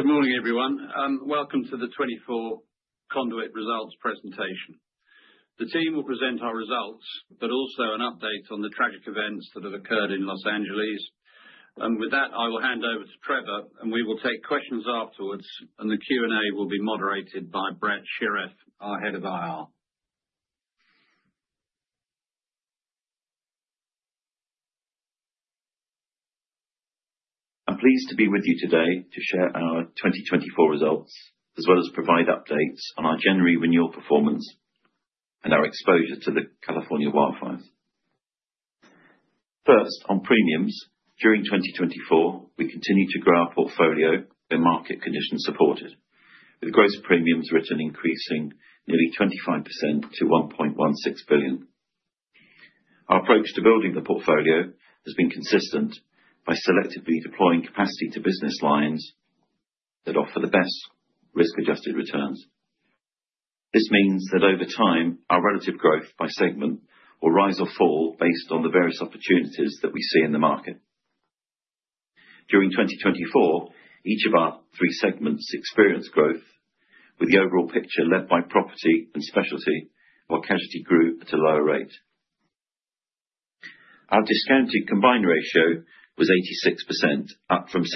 Good morning, everyone, and welcome to the 2024 Conduit Results Presentation. The team will present our results, but also an update on the tragic events that have occurred in Los Angeles. With that, I will hand over to Trevor, and we will take questions afterwards, and the Q&A will be moderated by Brett Shirreffs, our Head of IR. I'm pleased to be with you today to share our 2024 results, as well as provide updates on our January renewal performance and our exposure to the California wildfires. First, on premiums, during 2024, we continued to grow our portfolio when market conditions supported, with gross premiums written increasing nearly 25% to $1.16 billion. Our approach to building the portfolio has been consistent by selectively deploying capacity to business lines that offer the best risk-adjusted returns. This means that over time, our relative growth by segment will rise or fall based on the various opportunities that we see in the market. During 2024, each of our three segments experienced growth, with the overall picture led by property and specialty, while casualty grew at a lower rate. Our discounted combined ratio was 86%, up from 72.1%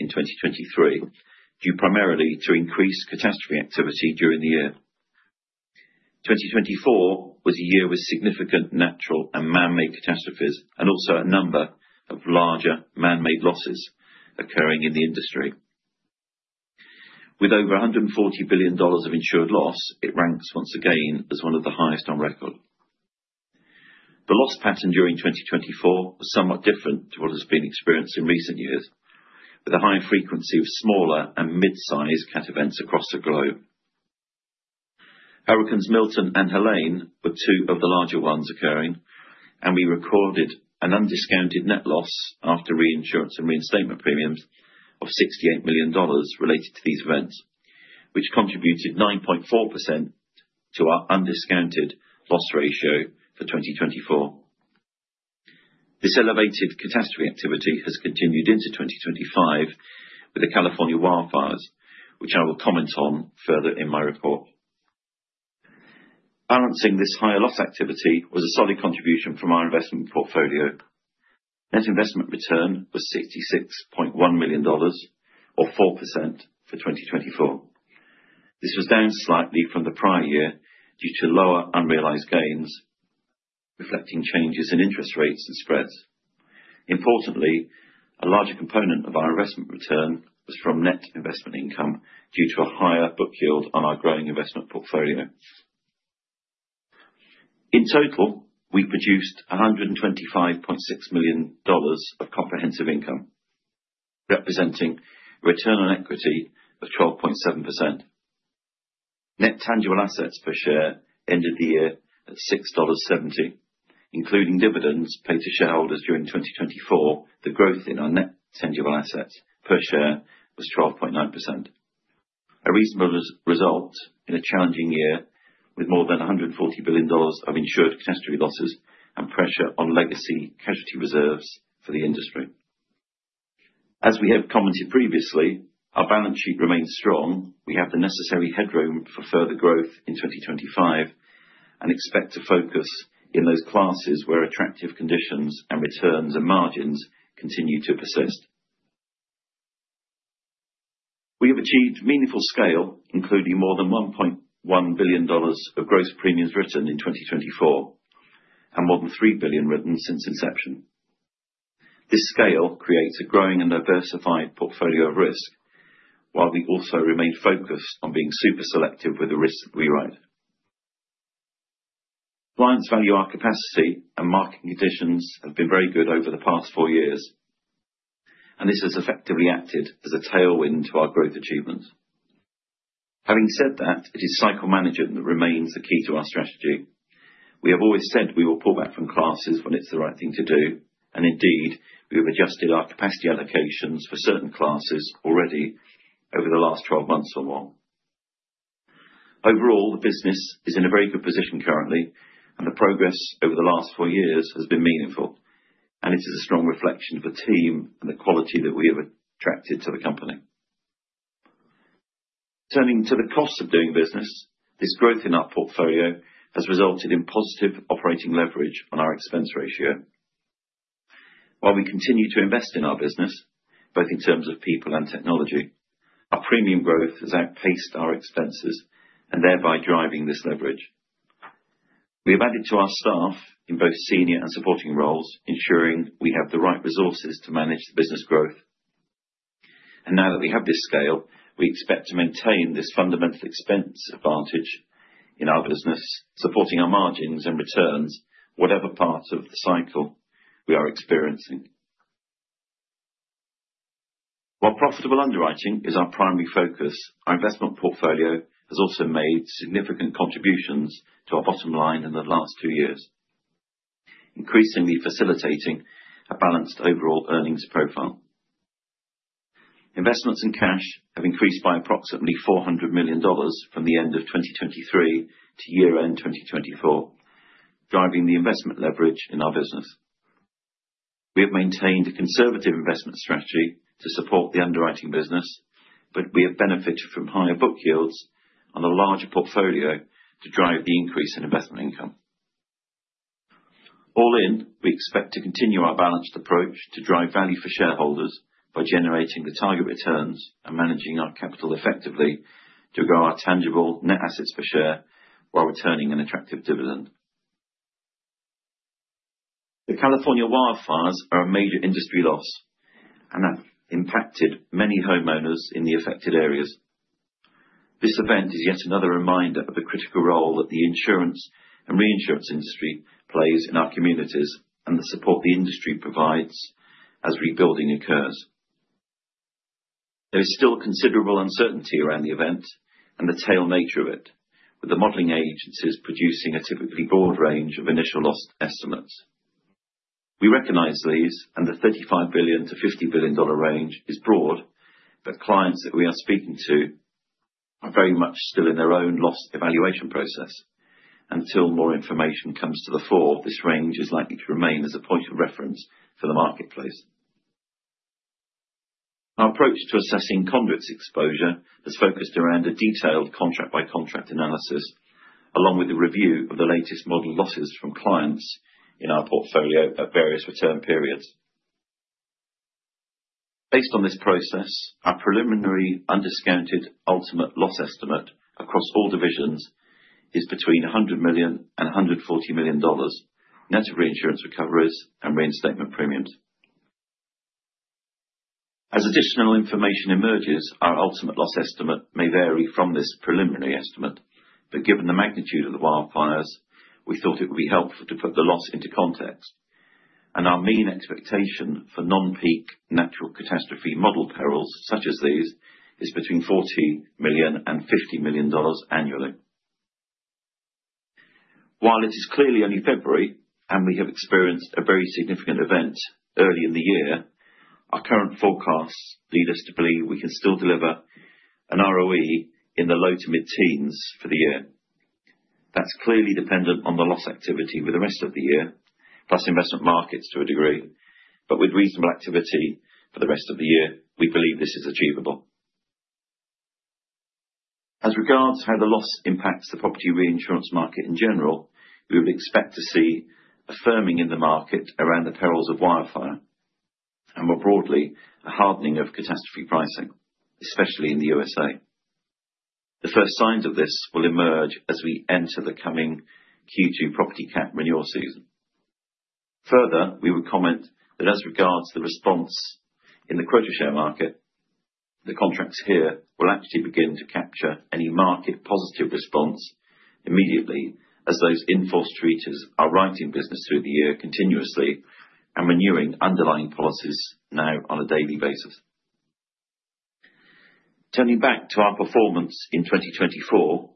in 2023, due primarily to increased catastrophe activity during the year. 2024 was a year with significant natural and man-made catastrophes, and also a number of larger man-made losses occurring in the industry. With over $140 billion of insured loss, it ranks once again as one of the highest on record. The loss pattern during 2024 was somewhat different to what has been experienced in recent years, with a higher frequency of smaller and mid-sized Cat events across the globe. Hurricanes Milton and Helene were two of the larger ones occurring, and we recorded an undiscounted net loss after reinsurance and reinstatement premiums of $68 million related to these events, which contributed 9.4% to our undiscounted loss ratio for 2024. This elevated catastrophe activity has continued into 2025 with the California wildfires, which I will comment on further in my report. Balancing this higher loss activity was a solid contribution from our investment portfolio. Net investment return was $66.1 million, or 4% for 2024. This was down slightly from the prior year due to lower unrealized gains, reflecting changes in interest rates and spreads. Importantly, a larger component of our investment return was from net investment income due to a higher book yield on our growing investment portfolio. In total, we produced $125.6 million of comprehensive income, representing return on equity of 12.7%. Net tangible assets per share ended the year at $6.70, including dividends paid to shareholders during 2024. The growth in our net tangible assets per share was 12.9%, a reasonable result in a challenging year with more than $140 billion of insured catastrophe losses and pressure on legacy casualty reserves for the industry. As we have commented previously, our balance sheet remains strong. We have the necessary headroom for further growth in 2025 and expect to focus in those classes where attractive conditions and returns and margins continue to persist. We have achieved meaningful scale, including more than $1.1 billion of gross premiums written in 2024 and more than $3 billion written since inception. This scale creates a growing and diversified portfolio of risk, while we also remain focused on being super selective with the risks that we write. Clients value our capacity, and market conditions have been very good over the past four years, and this has effectively acted as a tailwind to our growth achievements. Having said that, it is cycle management that remains the key to our strategy. We have always said we will pull back from classes when it's the right thing to do, and indeed, we have adjusted our capacity allocations for certain classes already over the last 12 months or more. Overall, the business is in a very good position currently, and the progress over the last four years has been meaningful, and it is a strong reflection of the team and the quality that we have attracted to the company. Turning to the cost of doing business, this growth in our portfolio has resulted in positive operating leverage on our expense ratio. While we continue to invest in our business, both in terms of people and technology, our premium growth has outpaced our expenses and thereby driving this leverage. We have added to our staff in both senior and supporting roles, ensuring we have the right resources to manage the business growth. And now that we have this scale, we expect to maintain this fundamental expense advantage in our business, supporting our margins and returns whatever part of the cycle we are experiencing. While profitable underwriting is our primary focus, our investment portfolio has also made significant contributions to our bottom line in the last two years, increasingly facilitating a balanced overall earnings profile. Investments in cash have increased by approximately $400 million from the end of 2023 to year-end 2024, driving the investment leverage in our business. We have maintained a conservative investment strategy to support the underwriting business, but we have benefited from higher book yields on a larger portfolio to drive the increase in investment income. All in, we expect to continue our balanced approach to drive value for shareholders by generating the target returns and managing our capital effectively to grow our tangible net assets per share while returning an attractive dividend. The California wildfires are a major industry loss, and that impacted many homeowners in the affected areas. This event is yet another reminder of the critical role that the insurance and reinsurance industry plays in our communities and the support the industry provides as rebuilding occurs. There is still considerable uncertainty around the event and the tail nature of it, with the modeling agencies producing a typically broad range of initial loss estimates. We recognize these, and the $35 billion-$50 billion range is broad, but clients that we are speaking to are very much still in their own loss evaluation process. Until more information comes to the fore, this range is likely to remain as a point of reference for the marketplace. Our approach to assessing Conduit's exposure has focused around a detailed contract-by-contract analysis, along with the review of the latest model losses from clients in our portfolio at various return periods. Based on this process, our preliminary undiscounted ultimate loss estimate across all divisions is between $100 million and $140 million net of reinsurance recoveries and reinstatement premiums. As additional information emerges, our ultimate loss estimate may vary from this preliminary estimate, but given the magnitude of the wildfires, we thought it would be helpful to put the loss into context, and our mean expectation for non-peak natural catastrophe model perils such as these is between $40 million and $50 million annually. While it is clearly only February and we have experienced a very significant event early in the year, our current forecasts lead us to believe we can still deliver an ROE in the low to mid-teens for the year. That's clearly dependent on the loss activity for the rest of the year, plus investment markets to a degree, but with reasonable activity for the rest of the year, we believe this is achievable. As regards how the loss impacts the property reinsurance market in general, we would expect to see a firming in the market around the perils of wildfire, and more broadly, a hardening of catastrophe pricing, especially in the USA. The first signs of this will emerge as we enter the coming Q2 property Cat renewal season. Further, we would comment that as regards the response in the quota share market, the contracts here will actually begin to capture any market positive response immediately, as those enforced treaties are writing business through the year continuously and renewing underlying policies now on a daily basis. Turning back to our performance in 2024,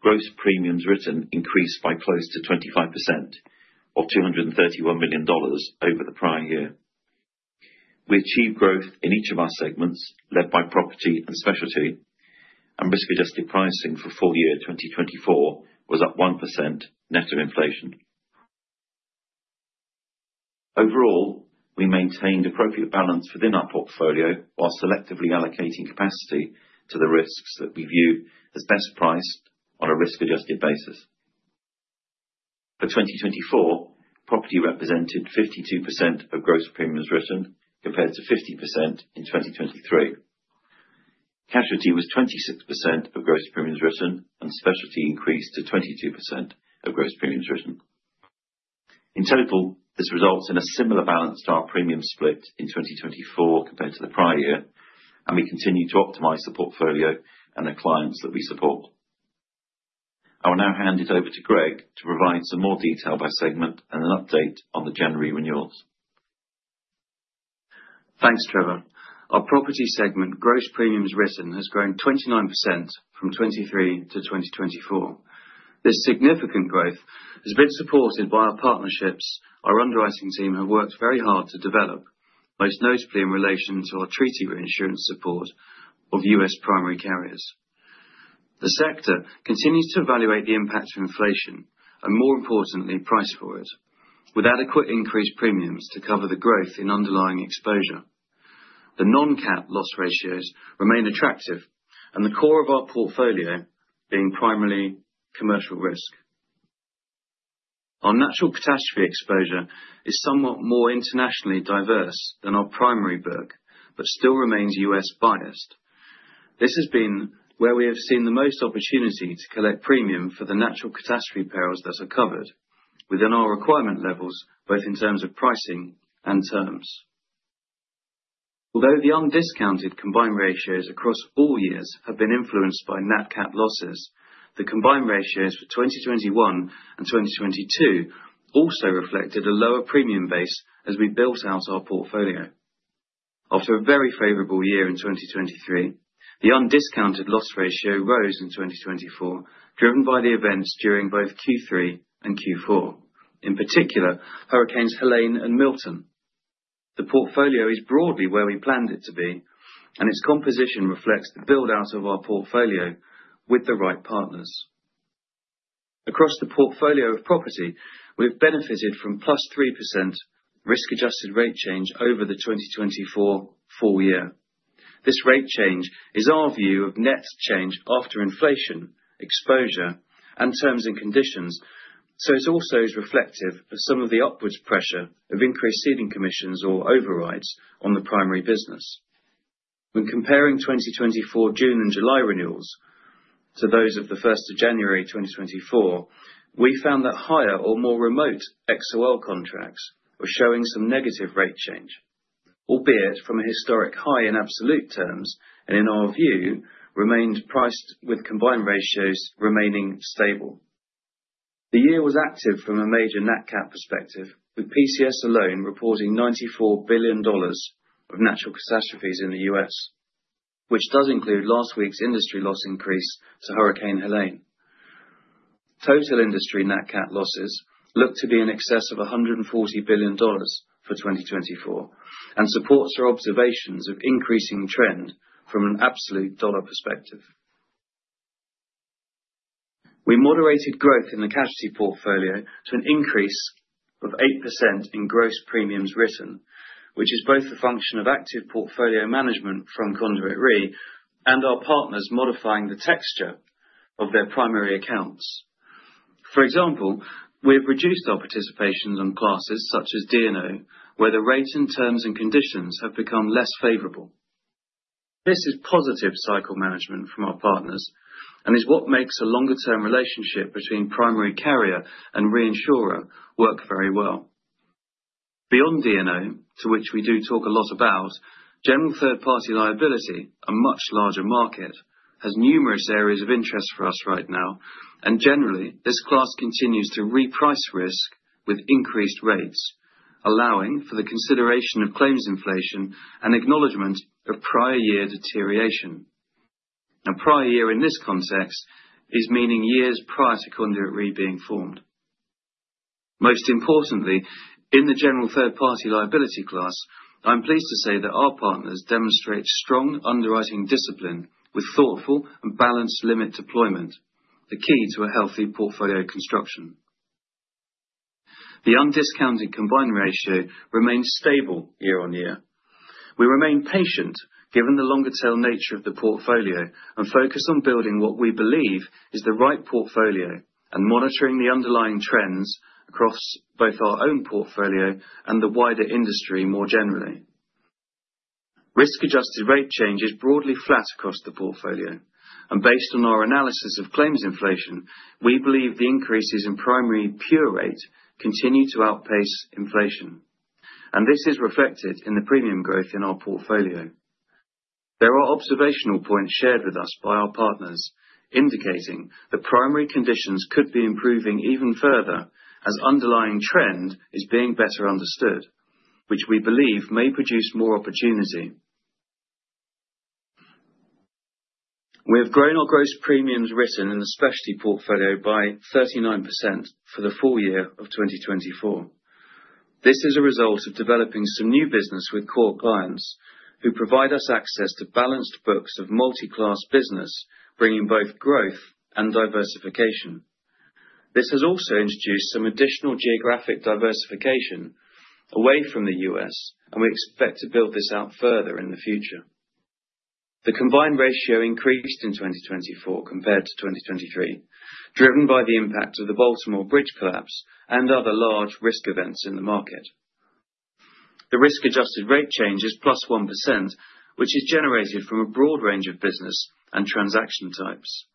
gross premiums written increased by close to 25%, or $231 million over the prior year. We achieved growth in each of our segments, led by property and specialty, and risk-adjusted pricing for full year 2024 was up 1% net of inflation. Overall, we maintained appropriate balance within our portfolio while selectively allocating capacity to the risks that we view as best priced on a risk-adjusted basis. For 2024, property represented 52% of gross premiums written compared to 50% in 2023. Casualty was 26% of gross premiums written, and specialty increased to 22% of gross premiums written. In total, this results in a similar balance to our premium split in 2024 compared to the prior year, and we continue to optimize the portfolio and the clients that we support. I will now hand it over to Greg to provide some more detail by segment and an update on the January renewals. Thanks, Trevor. Our property segment, gross premiums written, has grown 29% from 2023 to 2024. This significant growth has been supported by our partnerships. Our underwriting team have worked very hard to develop, most notably in relation to our treaty reinsurance support of U.S. primary carriers. The sector continues to evaluate the impact of inflation and, more importantly, price for it, with adequate increased premiums to cover the growth in underlying exposure. The non-Cat loss ratios remain attractive, and the core of our portfolio being primarily commercial risk. Our natural catastrophe exposure is somewhat more internationally diverse than our primary book, but still remains U.S. biased. This has been where we have seen the most opportunity to collect premium for the natural catastrophe perils that are covered, within our requirement levels, both in terms of pricing and terms. Although the undiscounted combined ratios across all years have been influenced by net Cat losses, the combined ratios for 2021 and 2022 also reflected a lower premium base as we built out our portfolio. After a very favorable year in 2023, the undiscounted loss ratio rose in 2024, driven by the events during both Q3 and Q4, in particular Hurricanes Helene and Milton. The portfolio is broadly where we planned it to be, and its composition reflects the build-out of our portfolio with the right partners. Across the portfolio of property, we have benefited from +3% risk-adjusted rate change over the 2024 full year. This rate change is our view of net change after inflation, exposure, and terms and conditions, so it also is reflective of some of the upwards pressure of increased ceding commissions or overrides on the primary business. When comparing 2024 June and July renewals to those of the 1st of January 2024, we found that higher or more remote XoL contracts were showing some negative rate change, albeit from a historic high in absolute terms, and in our view, remained priced with combined ratios remaining stable. The year was active from a major Nat Cat perspective, with PCS alone reporting $94 billion of natural catastrophes in the U.S., which does include last week's industry loss increase to Hurricane Helene. Total industry Nat Cat losses look to be in excess of $140 billion for 2024, and supports our observations of increasing trend from an absolute dollar perspective. We moderated growth in the casualty portfolio to an increase of 8% in gross premiums written, which is both a function of active portfolio management from Conduit Re and our partners modifying the texture of their primary accounts. For example, we have reduced our participations on classes such as D&O, where the rate and terms and conditions have become less favorable. This is positive cycle management from our partners and is what makes a longer-term relationship between primary carrier and reinsurer work very well. Beyond D&O, to which we do talk a lot about, general third-party liability, a much larger market, has numerous areas of interest for us right now, and generally, this class continues to reprice risk with increased rates, allowing for the consideration of claims inflation and acknowledgment of prior year deterioration. Now, prior year in this context is meaning years prior to Conduit Re being formed. Most importantly, in the general third-party liability class, I'm pleased to say that our partners demonstrate strong underwriting discipline with thoughtful and balanced limit deployment, the key to a healthy portfolio construction. The undiscounted combined ratio remains stable year on year. We remain patient given the longer-tail nature of the portfolio and focus on building what we believe is the right portfolio and monitoring the underlying trends across both our own portfolio and the wider industry more generally. Risk-adjusted rate change is broadly flat across the portfolio, and based on our analysis of claims inflation, we believe the increases in primary pure rate continue to outpace inflation, and this is reflected in the premium growth in our portfolio. There are observational points shared with us by our partners indicating that primary conditions could be improving even further as underlying trend is being better understood, which we believe may produce more opportunity. We have grown our gross premiums written in the specialty portfolio by 39% for the full year of 2024. This is a result of developing some new business with core clients who provide us access to balanced books of multi-class business, bringing both growth and diversification. This has also introduced some additional geographic diversification away from the U.S., and we expect to build this out further in the future. The combined ratio increased in 2024 compared to 2023, driven by the impact of the Baltimore Bridge collapse and other large risk events in the market. The risk-adjusted rate change is +1%, which is generated from a broad range of business and transaction types.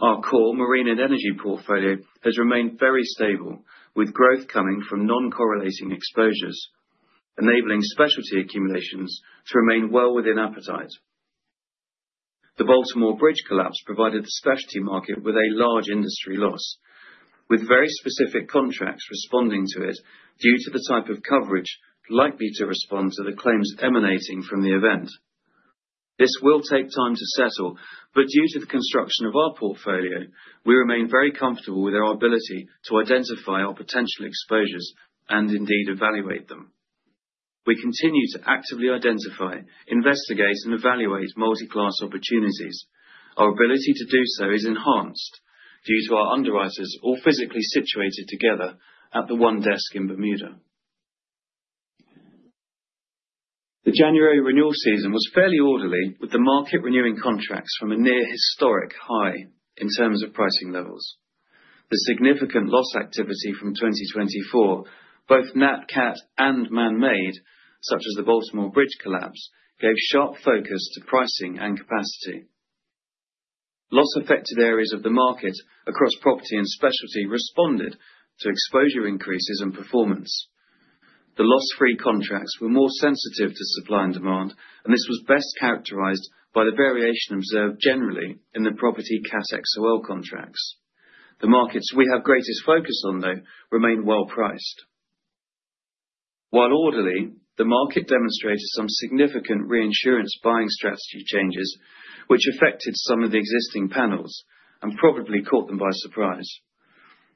Our core marine and energy portfolio has remained very stable, with growth coming from non-correlated exposures, enabling specialty accumulations to remain well within appetite. The Baltimore Bridge collapse provided the specialty market with a large industry loss, with very specific contracts responding to it due to the type of coverage likely to respond to the claims emanating from the event. This will take time to settle, but due to the construction of our portfolio, we remain very comfortable with our ability to identify our potential exposures and indeed evaluate them. We continue to actively identify, investigate, and evaluate multi-class opportunities. Our ability to do so is enhanced due to our underwriters all physically situated together at the one desk in Bermuda. The January renewal season was fairly orderly, with the market renewing contracts from a near historic high in terms of pricing levels. The significant loss activity from 2024, both Nat Cat and man-made, such as the Baltimore Bridge collapse, gave sharp focus to pricing and capacity. Loss-affected areas of the market across property and specialty responded to exposure increases and performance. The loss-free contracts were more sensitive to supply and demand, and this was best characterized by the variation observed generally in the property Cat XoL contracts. The markets we have greatest focus on, though, remain well priced. While orderly, the market demonstrated some significant reinsurance buying strategy changes, which affected some of the existing panels and probably caught them by surprise.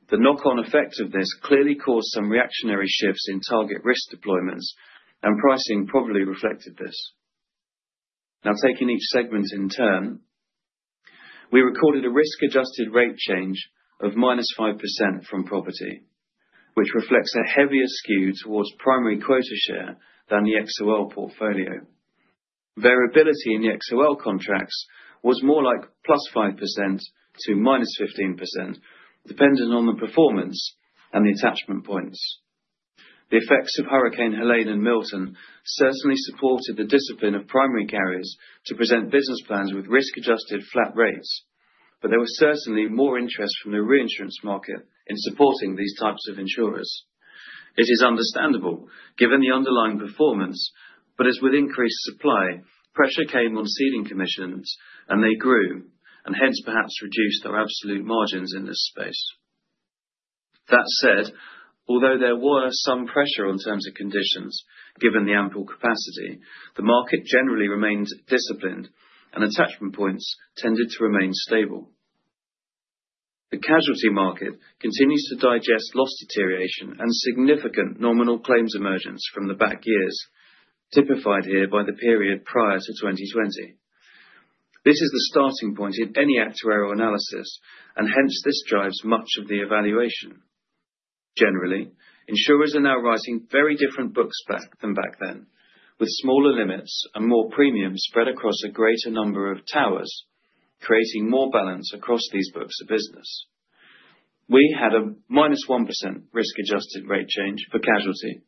The knock-on effect of this clearly caused some reactionary shifts in target risk deployments, and pricing probably reflected this. Now, taking each segment in turn, we recorded a risk-adjusted rate change of minus 5% from property, which reflects a heavier skew towards primary quota share than the XoL portfolio. Variability in the XoL contracts was more like +5% to-15%, dependent on the performance and the attachment points. The effects of Hurricane Helene and Milton certainly supported the discipline of primary carriers to present business plans with risk-adjusted flat rates, but there was certainly more interest from the reinsurance market in supporting these types of insurers. It is understandable, given the underlying performance, but as with increased supply, pressure came on ceding commissions, and they grew, and hence perhaps reduced our absolute margins in this space. That said, although there were some pressure on terms and conditions given the ample capacity, the market generally remained disciplined, and attachment points tended to remain stable. The casualty market continues to digest loss deterioration and significant nominal claims emergence from the back years, typified here by the period prior to 2020. This is the starting point in any actuarial analysis, and hence this drives much of the evaluation. Generally, insurers are now writing very different books back than back then, with smaller limits and more premiums spread across a greater number of towers, creating more balance across these books of business. We had a -1% risk-adjusted rate change for casualty,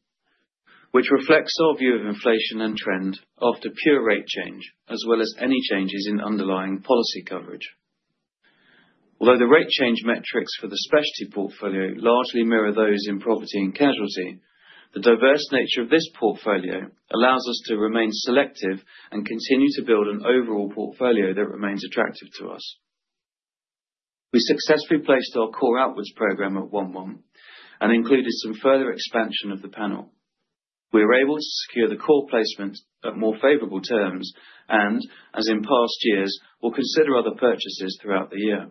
which reflects our view of inflation and trend after pure rate change, as well as any changes in underlying policy coverage. Although the rate change metrics for the specialty portfolio largely mirror those in property and casualty, the diverse nature of this portfolio allows us to remain selective and continue to build an overall portfolio that remains attractive to us. We successfully placed our core outwards program at one month and included some further expansion of the panel. We were able to secure the core placement at more favorable terms and, as in past years, will consider other purchases throughout the year.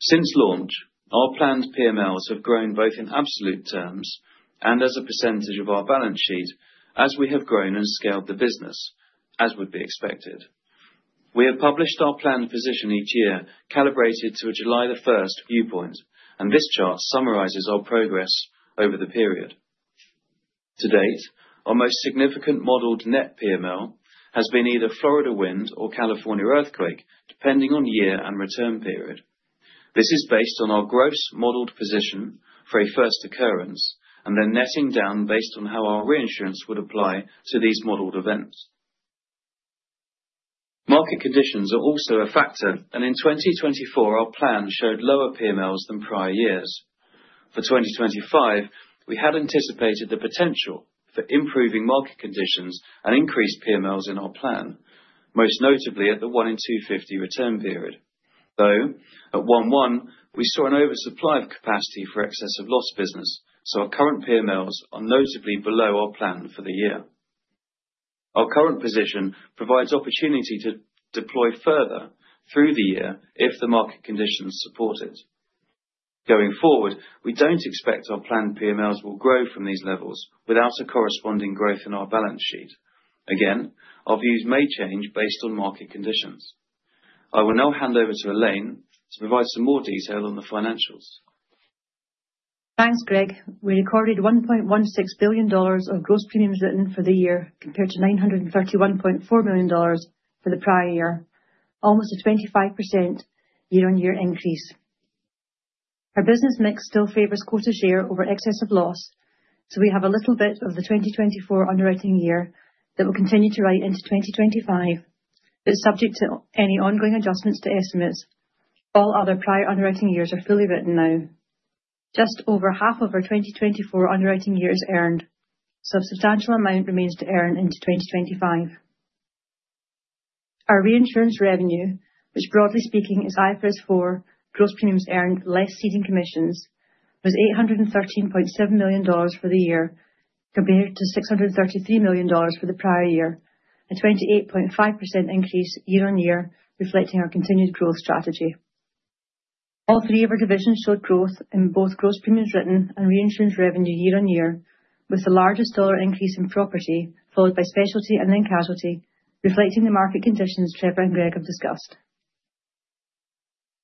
Since launch, our planned PMLs have grown both in absolute terms and as a percentage of our balance sheet as we have grown and scaled the business, as would be expected. We have published our planned position each year, calibrated to a July 1st viewpoint, and this chart summarizes our progress over the period. To date, our most significant modeled net PML has been either Florida Wind or California Earthquake, depending on year and return period. This is based on our gross modeled position for a first occurrence and then netting down based on how our reinsurance would apply to these modeled events. Market conditions are also a factor, and in 2024, our plan showed lower PMLs than prior years. For 2025, we had anticipated the potential for improving market conditions and increased PMLs in our plan, most notably at the 1-in-250 return period. Though at one month, we saw an oversupply of capacity for excess of loss business, so our current PMLs are notably below our plan for the year. Our current position provides opportunity to deploy further through the year if the market conditions support it. Going forward, we don't expect our planned PMLs will grow from these levels without a corresponding growth in our balance sheet. Again, our views may change based on market conditions. I will now hand over to Elaine to provide some more detail on the financials. Thanks, Greg. We recorded $1.16 billion of gross premiums written for the year compared to $931.4 million for the prior year, almost a 25% year-on-year increase. Our business mix still favors quota share over excess of loss, so we have a little bit of the 2024 underwriting year that will continue to write into 2025. It's subject to any ongoing adjustments to estimates. All other prior underwriting years are fully written now. Just over half of our 2024 underwriting year is earned, so a substantial amount remains to earn into 2025. Our reinsurance revenue, which broadly speaking is IFRS 4 gross premiums earned less ceding commissions, was $813.7 million for the year compared to $633 million for the prior year, a 28.5% increase year-on-year reflecting our continued growth strategy. All three of our divisions showed growth in both gross premiums written and reinsurance revenue year-on-year, with the largest dollar increase in property followed by specialty and then casualty, reflecting the market conditions Trevor and Greg have discussed.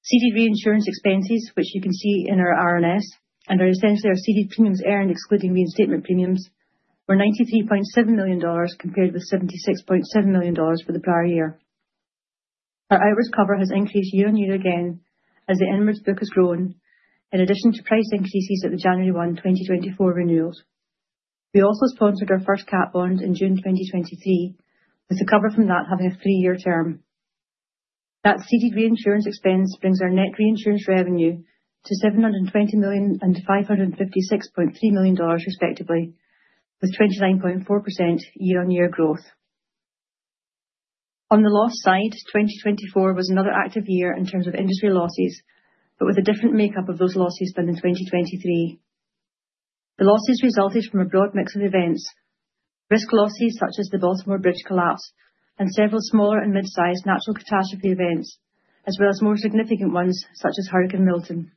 Ceded reinsurance expenses, which you can see in our RNS and are essentially our ceded premiums earned excluding reinstatement premiums, were $93.7 million compared with $76.7 million for the prior year. Our outwards cover has increased year-on-year again as the inwards book has grown, in addition to price increases at the January 1, 2024, renewals. We also sponsored our first Cat bond in June 2023, with the cover from that having a three-year term. That ceding reinsurance expense brings our net reinsurance revenue to $720 million and $556.3 million, respectively, with 29.4% year-on-year growth. On the loss side, 2024 was another active year in terms of industry losses, but with a different makeup of those losses than in 2023. The losses resulted from a broad mix of events: risk losses such as the Baltimore Bridge collapse and several smaller and mid-sized natural catastrophe events, as well as more significant ones such as Hurricane Milton.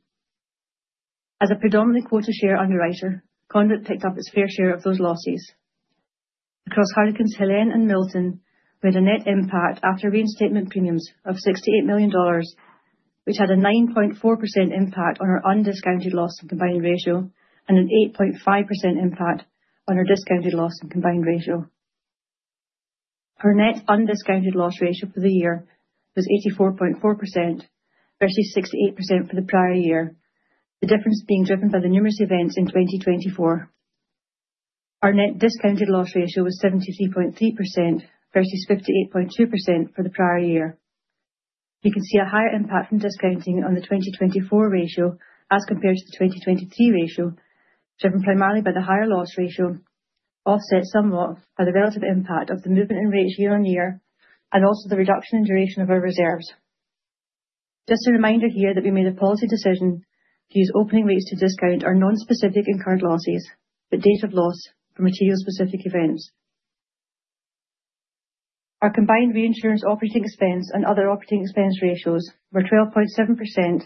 As a predominantly quota share underwriter, Conduit picked up its fair share of those losses. Across Hurricanes Helene and Milton, we had a net impact after reinstatement premiums of $68 million, which had a 9.4% impact on our undiscounted loss and combined ratio and an 8.5% impact on our discounted loss and combined ratio. Our net undiscounted loss ratio for the year was 84.4% versus 68% for the prior year, the difference being driven by the numerous events in 2024. Our net discounted loss ratio was 73.3% versus 58.2% for the prior year. You can see a higher impact from discounting on the 2024 ratio as compared to the 2023 ratio, driven primarily by the higher loss ratio, offset somewhat by the relative impact of the movement in rates year-on-year and also the reduction in duration of our reserves. Just a reminder here that we made a policy decision to use opening rates to discount our non-specific incurred losses, but date of loss for material-specific events. Our combined reinsurance operating expense and other operating expense ratios were 12.7%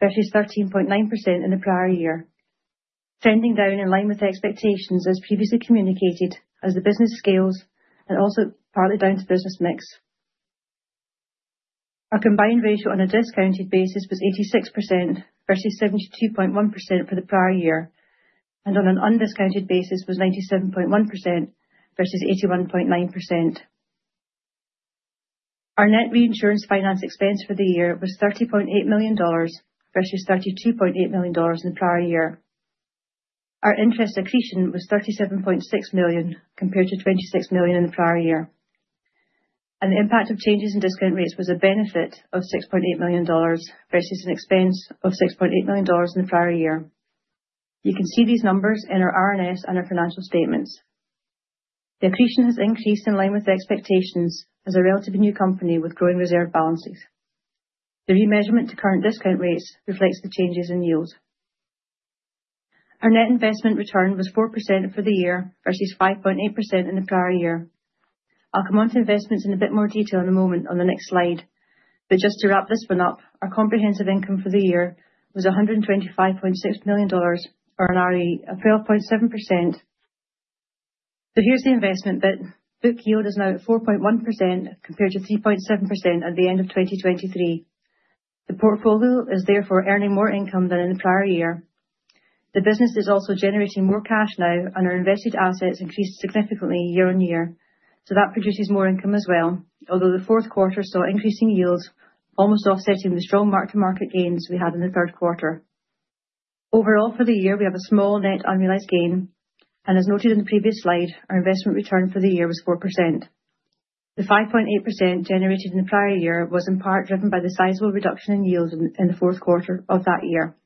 versus 13.9% in the prior year, trending down in line with expectations as previously communicated as the business scales and also partly down to business mix. Our combined ratio on a discounted basis was 86% versus 72.1% for the prior year, and on an undiscounted basis was 97.1% versus 81.9%. Our net reinsurance finance expense for the year was $30.8 million versus $32.8 million in the prior year. Our interest accretion was $37.6 million compared to $26 million in the prior year, and the impact of changes in discount rates was a benefit of $6.8 million versus an expense of $6.8 million in the prior year. You can see these numbers in our RNS and our financial statements. The accretion has increased in line with expectations as a relatively new company with growing reserve balances. The remeasurement to current discount rates reflects the changes in yield. Our net investment return was 4% for the year versus 5.8% in the prior year. I'll come on to investments in a bit more detail in a moment on the next slide, but just to wrap this one up, our comprehensive income for the year was $125.6 million or an ROE of 12.7%. So here's the investment bit. Book yield is now at 4.1% compared to 3.7% at the end of 2023. The portfolio is therefore earning more income than in the prior year. The business is also generating more cash now, and our invested assets increased significantly year-on-year, so that produces more income as well, although the fourth quarter saw increasing yields, almost offsetting the strong mark-to-market gains we had in the third quarter. Overall, for the year, we have a small net unrealized gain, and as noted in the previous slide, our investment return for the year was 4%. The 5.8% generated in the prior year was in part driven by the sizable reduction in yield in the fourth quarter of that year.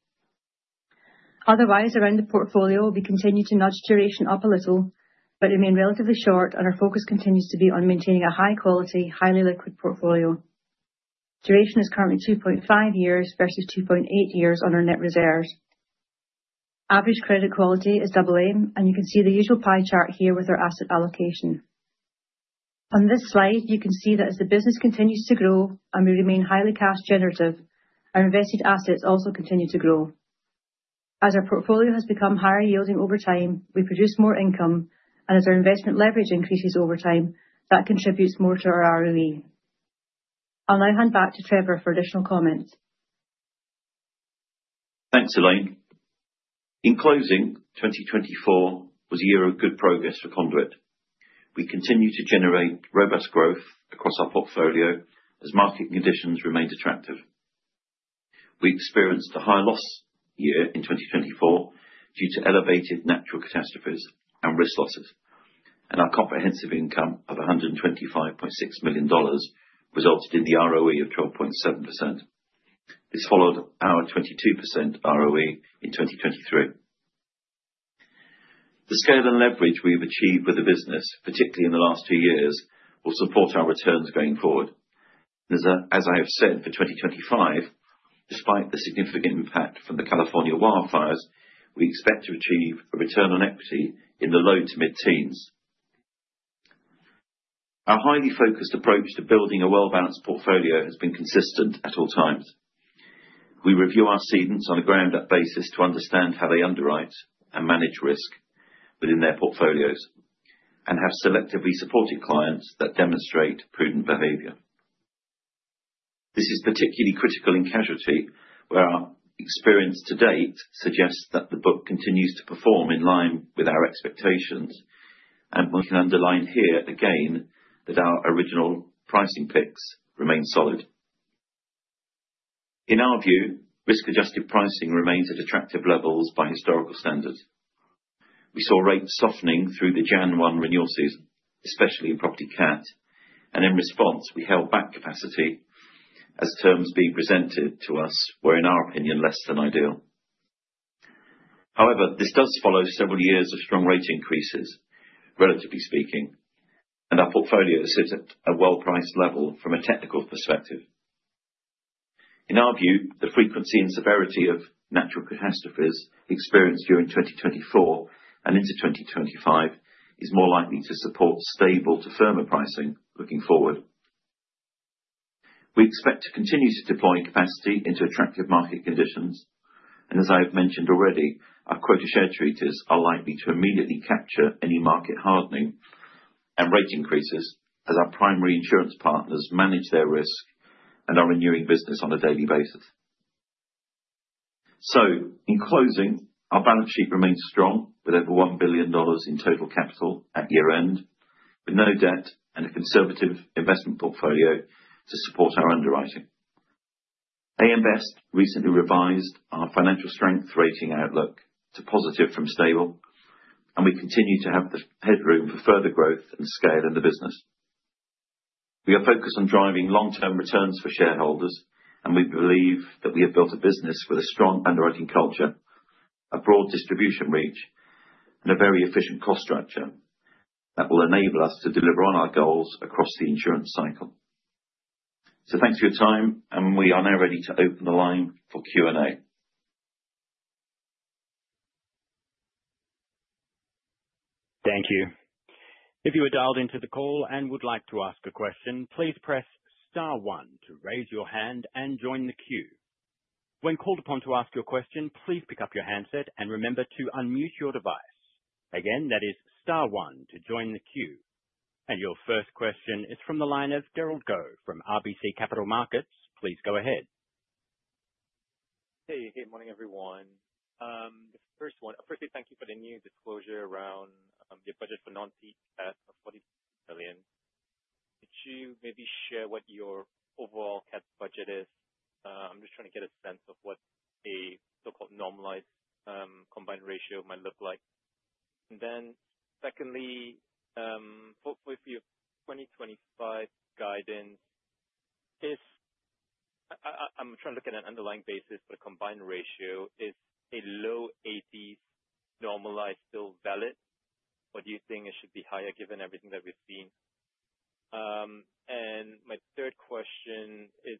Otherwise, around the portfolio, we continue to nudge duration up a little, but remain relatively short, and our focus continues to be on maintaining a high-quality, highly liquid portfolio. Duration is currently 2.5 years versus 2.8 years on our net reserves. Average credit quality is AA, and you can see the usual pie chart here with our asset allocation. On this slide, you can see that as the business continues to grow and we remain highly cash generative, our invested assets also continue to grow. As our portfolio has become higher yielding over time, we produce more income, and as our investment leverage increases over time, that contributes more to our ROE. I'll now hand back to Trevor for additional comments. Thanks, Elaine. In closing, 2024 was a year of good progress for Conduit. We continue to generate robust growth across our portfolio as market conditions remained attractive. We experienced a higher loss year in 2024 due to elevated natural catastrophes and risk losses, and our comprehensive income of $125.6 million resulted in the ROE of 12.7%. This followed our 22% ROE in 2023. The scale and leverage we've achieved with the business, particularly in the last two years, will support our returns going forward. As I have said for 2025, despite the significant impact from the California wildfires, we expect to achieve a return on equity in the low to mid-teens. Our highly focused approach to building a well-balanced portfolio has been consistent at all times. We review our cedants on a ground-up basis to understand how they underwrite and manage risk within their portfolios and have selectively supported clients that demonstrate prudent behavior. This is particularly critical in casualty, where our experience to date suggests that the book continues to perform in line with our expectations, and we can underline here again that our original pricing picks remain solid. In our view, risk-adjusted pricing remains at attractive levels by historical standards. We saw rates softening through the January 1 renewal season, especially in property Cat, and in response, we held back capacity as terms being presented to us were, in our opinion, less than ideal. However, this does follow several years of strong rate increases, relatively speaking, and our portfolio sits at a well-priced level from a technical perspective. In our view, the frequency and severity of natural catastrophes experienced during 2024 and into 2025 is more likely to support stable to firmer pricing looking forward. We expect to continue to deploy capacity into attractive market conditions, and as I have mentioned already, our quota share treaties are likely to immediately capture any market hardening and rate increases as our primary insurance partners manage their risk and are renewing business on a daily basis. So, in closing, our balance sheet remains strong with over $1 billion in total capital at year-end, with no debt and a conservative investment portfolio to support our underwriting. AM Best recently revised our financial strength rating outlook to positive from stable, and we continue to have the headroom for further growth and scale in the business. We are focused on driving long-term returns for shareholders, and we believe that we have built a business with a strong underwriting culture, a broad distribution reach, and a very efficient cost structure that will enable us to deliver on our goals across the insurance cycle. So thanks for your time, and we are now ready to open the line for Q&A. Thank you. If you are dialed into the call and would like to ask a question, please press star one to raise your hand and join the queue. When called upon to ask your question, please pick up your handset and remember to unmute your device. Again, that is star one to join the queue. And your first question is from the line of Derald Goh from RBC Capital Markets. Please go ahead. Hey, good morning, everyone. The first one, firstly, thank you for the new disclosure around the budget for non-ceded Cat of $40 million. Could you maybe share what your overall Cat budget is? I'm just trying to get a sense of what a so-called normalized combined ratio might look like. And then secondly, hopefully for your 2025 guidance, I'm trying to look at an underlying basis, but a combined ratio is a low 80s normalized still valid, or do you think it should be higher given everything that we've seen? And my third question is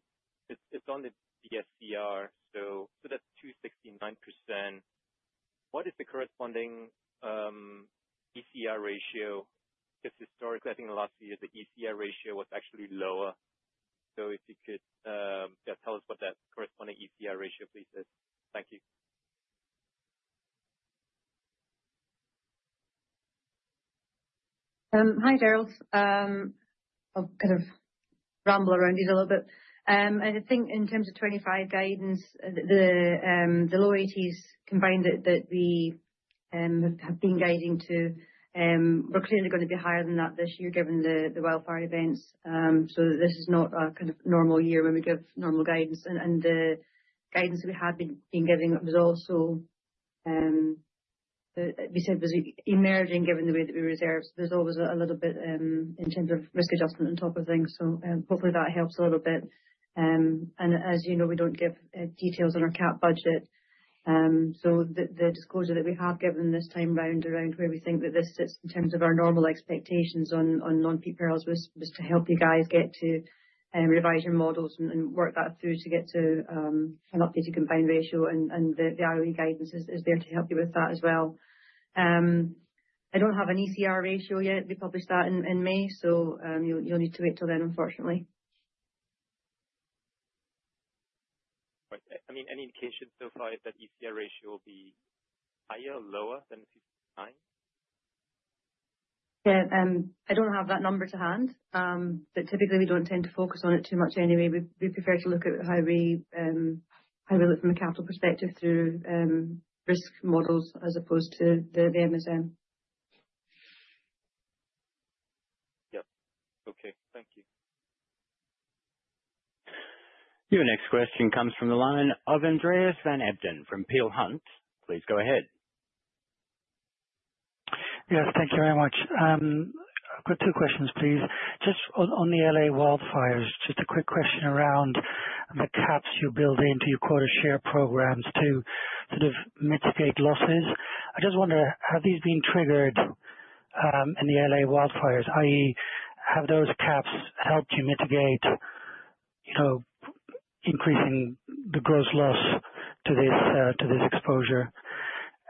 on the BSCR, so that's 269%. What is the corresponding ECR ratio? Because historically, I think in the last few years, the ECR ratio was actually lower. So if you could tell us what that corresponding ECR ratio piece is. Thank you. Hi, Derald. I'll kind of ramble around it a little bit. I think in terms of 2025 guidance, the low 80s combined that we have been guiding to were clearly going to be higher than that this year given the wildfire events. So this is not a kind of normal year when we give normal guidance. And the guidance that we have been giving was also, we said, was emerging given the way that we reserved. There's always a little bit in terms of risk adjustment on top of things. So hopefully that helps a little bit. And as you know, we don't give details on our cap budget. So the disclosure that we have given this time around where we think that this sits in terms of our normal expectations on non-peak perils was to help you guys get to revise your models and work that through to get to an updated combined ratio. And the ROE guidance is there to help you with that as well. I don't have an ECR ratio yet. We published that in May, so you'll need to wait till then, unfortunately. I mean, any indication so far that ECR ratio will be higher or lower than the season nine? Yeah, I don't have that number to hand, but typically we don't tend to focus on it too much anyway. We prefer to look at how we look from a capital perspective through risk models as opposed to the MSM. Yep. Okay. Thank you. Your next question comes from the line of Andreas van Embden from Peel Hunt. Please go ahead. Yes, thank you very much. I've got two questions, please. Just on the L.A. wildfires, just a quick question around the caps you build into your quota share programs to sort of mitigate losses. I just wonder, have these been triggered in the L.A. wildfires, i.e., have those caps helped you mitigate increasing the gross loss to this exposure?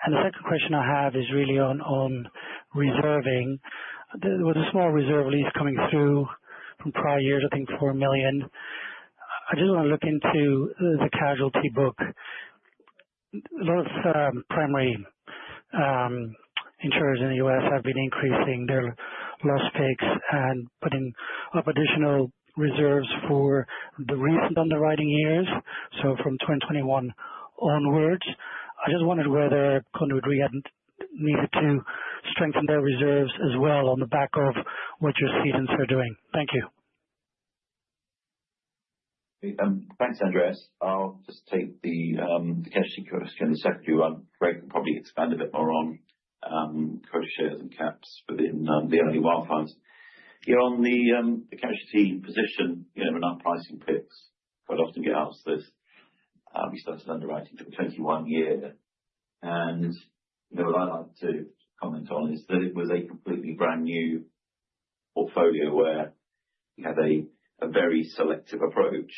And the second question I have is really on reserving. There was a small reserve release coming through from prior years, I think $4 million. I just want to look into the casualty book. A lot of primary insurers in the U.S. have been increasing their loss takes and putting up additional reserves for the recent underwriting years, so from 2021 onwards. I just wondered whether Conduit Re needed to strengthen their reserves as well on the back of what your cedants are doing. Thank you. Thanks, Andreas. I'll just take the casualty question and the second question. Greg can probably expand a bit more on quota shares and cats within the L.A. wildfires. Here on the casualty position, when our pricing peaks, quite often get asked this, we started underwriting in 2021. What I'd like to comment on is that it was a completely brand new portfolio where we had a very selective approach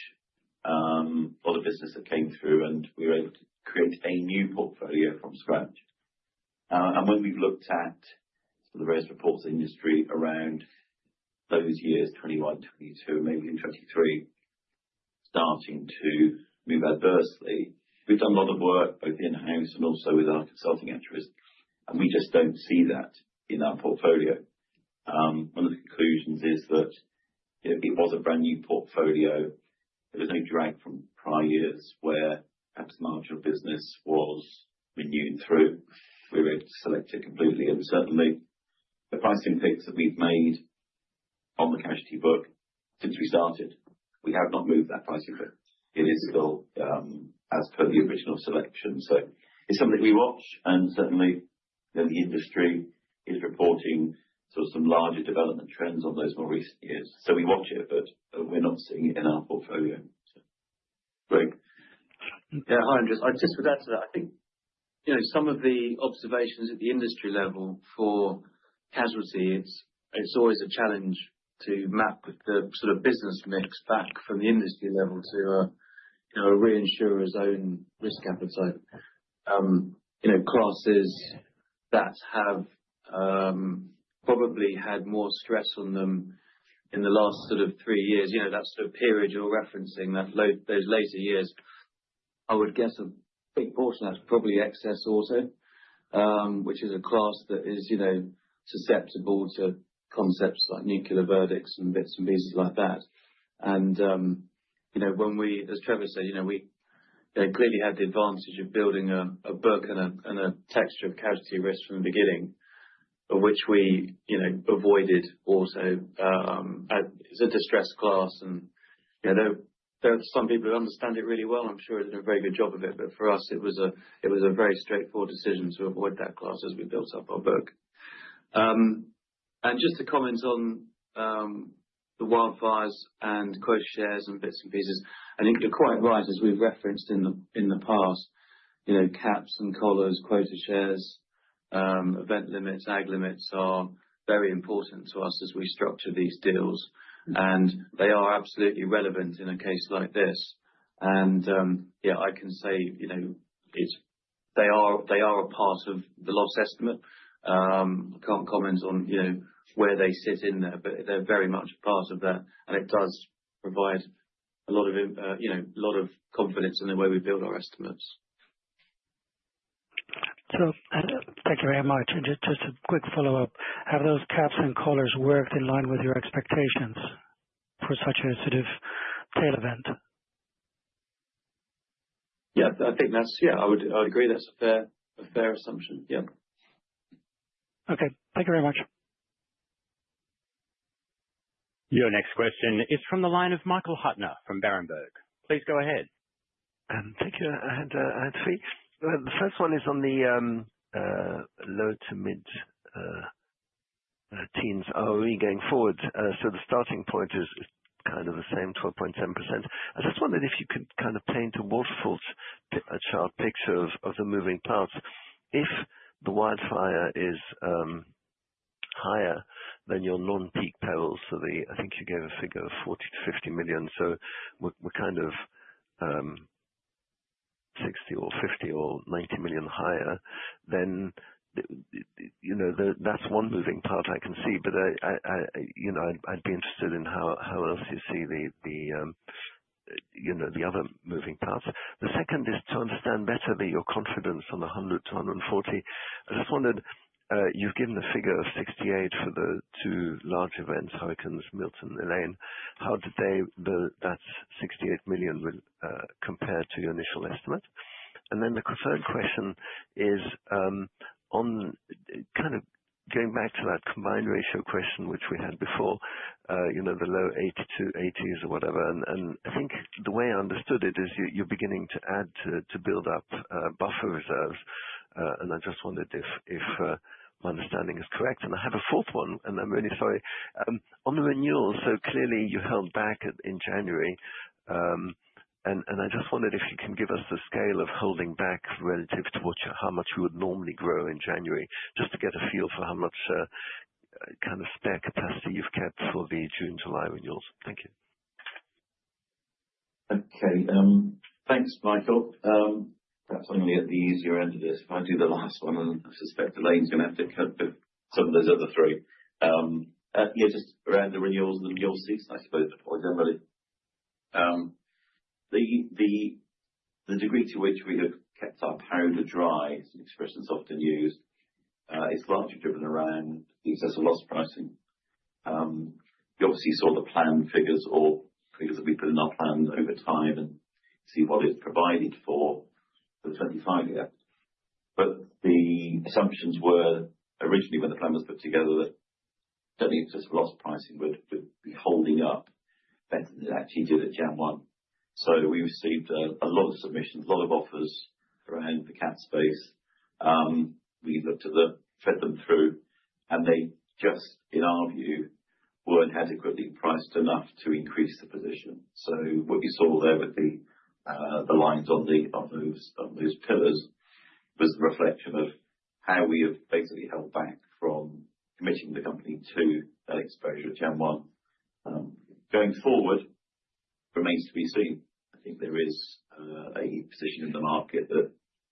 for the business that came through, and we were able to create a new portfolio from scratch. And when we've looked at the various industry reports around those years, 2021, 2022, maybe in 2023, starting to move adversely, we've done a lot of work both in-house and also with our consulting entities, and we just don't see that in our portfolio. One of the conclusions is that it was a brand new portfolio. There was no drag from prior years where perhaps marginal business was renewing through. We were able to select it completely. And certainly, the pricing hikes that we've made on the casualty book since we started, we have not moved that pricing a bit. It is still as per the original selection. So it's something that we watch, and certainly, the industry is reporting sort of some larger development trends on those more recent years. So we watch it, but we're not seeing it in our portfolio. Greg? Yeah, hi, Andreas. I just would add to that. I think some of the observations at the industry level for casualty, it's always a challenge to map the sort of business mix back from the industry level to a reinsurer's own risk appetite. Classes that have probably had more stress on them in the last sort of three years, that sort of period you're referencing, those later years, I would guess a big portion of that's probably excess auto, which is a class that is susceptible to concepts like nuclear verdicts and bits and pieces like that. And when we, as Trevor said, we clearly had the advantage of building a book and a texture of casualty risk from the beginning, which we avoided also. It's a distressed class, and some people who understand it really well, I'm sure, have done a very good job of it. But for us, it was a very straightforward decision to avoid that class as we built up our book. And just to comment on the wildfires and quota shares and bits and pieces, I think you're quite right, as we've referenced in the past. Caps and collars, quota shares, event limits, aggregate limits are very important to us as we structure these deals, and they are absolutely relevant in a case like this. And yeah, I can say they are a part of the loss estimate. I can't comment on where they sit in there, but they're very much a part of that, and it does provide a lot of confidence in the way we build our estimates. So thank you very much. And just a quick follow-up. Have those caps and collars worked in line with your expectations for such a sort of tail event? Yeah, I think that's yeah, I would agree that's a fair assumption. Yeah. Okay. Thank you very much. Your next question is from the line of Michael Huttner from Berenberg. Please go ahead. Thank you, Andreas. The first one is on the low to mid-teens going forward. So the starting point is kind of the same, 12.7%. I just wondered if you could kind of paint a waterfall, a sharp picture of the moving parts. If the wildfire is higher than your non-peak perils, so I think you gave a figure of $40 million-50 million, so we're kind of 60 million or 50 million or 90 million higher, then that's one moving part I can see. But I'd be interested in how else you see the other moving parts. The second is to understand better that your confidence on the $100 million-$140 million. I just wondered, you've given a figure of $68 million for the two large events, Helene, Milton, Elaine. How did that $68 million compare to your initial estimate? And then the third question is kind of going back to that combined ratio question, which we had before, the low 80 to 80s or whatever. And I think the way I understood it is you're beginning to add to build up buffer reserves. And I just wondered if my understanding is correct. And I have a fourth one, and I'm really sorry. On the renewals, so clearly you held back in January. And I just wondered if you can give us the scale of holding back relative to how much you would normally grow in January, just to get a feel for how much kind of spare capacity you've kept for the June-July renewals. Thank you. Okay. Thanks, Michael. Perhaps I'm going to get the easier end of this if I do the last one, and I suspect Elaine's going to have to cope with some of those other three. Yeah, just around the renewals and the renewal season, I suppose, before generally. The degree to which we have kept our powder dry, as an expression is often used, it's largely driven around the excess of loss pricing. You obviously saw the plan figures or figures that we put in our plan over time and see what it's provided for for the 2025 year. But the assumptions were originally when the plan was put together that certainly excess of loss pricing would be holding up better than it actually did at year one. So we received a lot of submissions, a lot of offers around the capacity. We looked at them, fed them through, and they just, in our view, weren't adequately priced enough to increase the position. So what you saw there with the lines on those pillars was the reflection of how we have basically held back from committing the company to that exposure at Gen One. Going forward, remains to be seen. I think there is a position in the market that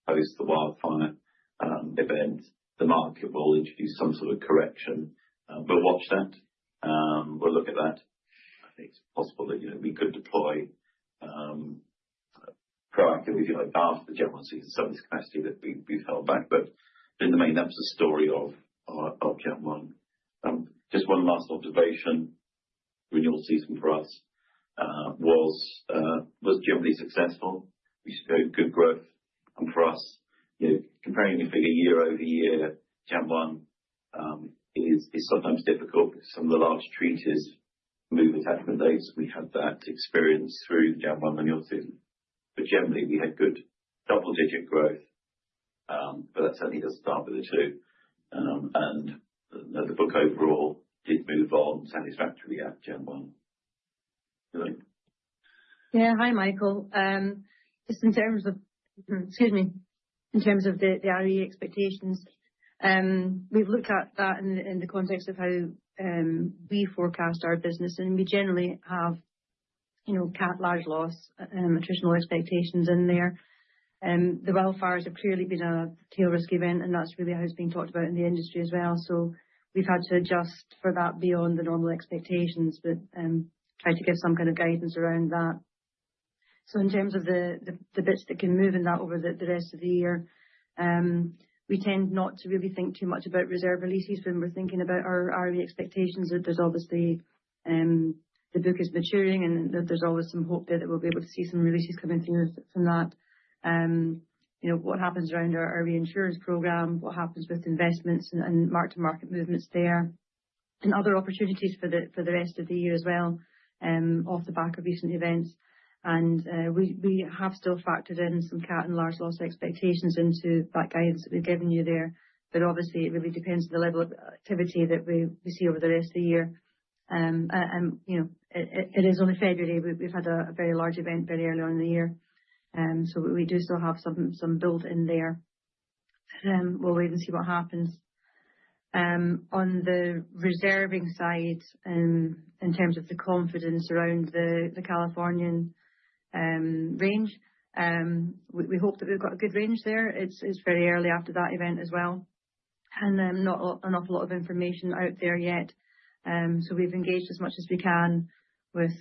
post the wildfire event, the market will introduce some sort of correction. We'll watch that. We'll look at that. I think it's possible that we could deploy proactively after the Gen One season sees some of this capacity that we've held back. But in the main, that was the story of Gen One. Just one last observation. Renewal season for us was generally successful. We showed good growth. For us, comparing the figure year over year, Gen One is sometimes difficult because some of the large treaties move attachment dates. We had that experience through Gen One renewal season. Generally, we had good double-digit growth. That certainly does start with the two. The book overall did move on satisfactorily at Gen One. Yeah. Hi, Michael. Just in terms of, excuse me, in terms of the ROE expectations, we've looked at that in the context of how we forecast our business. We generally have large loss attritional expectations in there. The wildfires have clearly been a tail risk event, and that's really how it's been talked about in the industry as well. We've had to adjust for that beyond the normal expectations but try to give some kind of guidance around that. In terms of the bits that can move in that over the rest of the year, we tend not to really think too much about reserve releases when we're thinking about our ROE expectations. There's obviously the book is maturing, and there's always some hope that we'll be able to see some releases coming through from that. What happens around our ROE insurance program, what happens with investments and mark-to-market movements there, and other opportunities for the rest of the year as well off the back of recent events. We have still factored in some Cat and large loss expectations into that guidance that we've given you there. Obviously, it really depends on the level of activity that we see over the rest of the year. It is only February. We've had a very large event very early on in the year. So we do still have some build in there. But we'll wait and see what happens. On the reserving side, in terms of the confidence around the Californian range, we hope that we've got a good range there. It's very early after that event as well. And not an awful lot of information out there yet. So we've engaged as much as we can with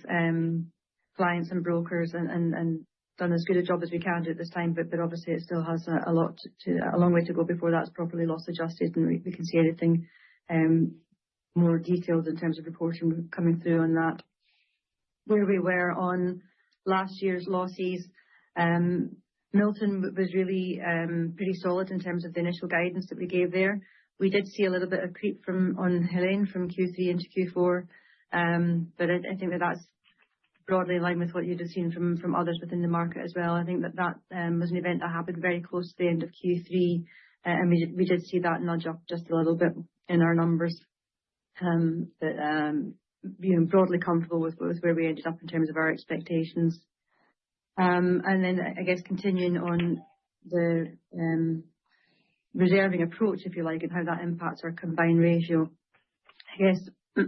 clients and brokers and done as good a job as we can do at this time. But obviously, it still has a long way to go before that's properly loss adjusted, and we can see anything more detailed in terms of reporting coming through on that. Where we were on last year's losses, Milton was really pretty solid in terms of the initial guidance that we gave there. We did see a little bit of creep on Helene from Q3 into Q4. But I think that that's broadly in line with what you'd have seen from others within the market as well. I think that that was an event that happened very close to the end of Q3. And we did see that nudge up just a little bit in our numbers. But broadly comfortable with where we ended up in terms of our expectations. And then, I guess, continuing on the reserving approach, if you like, and how that impacts our combined ratio. I guess a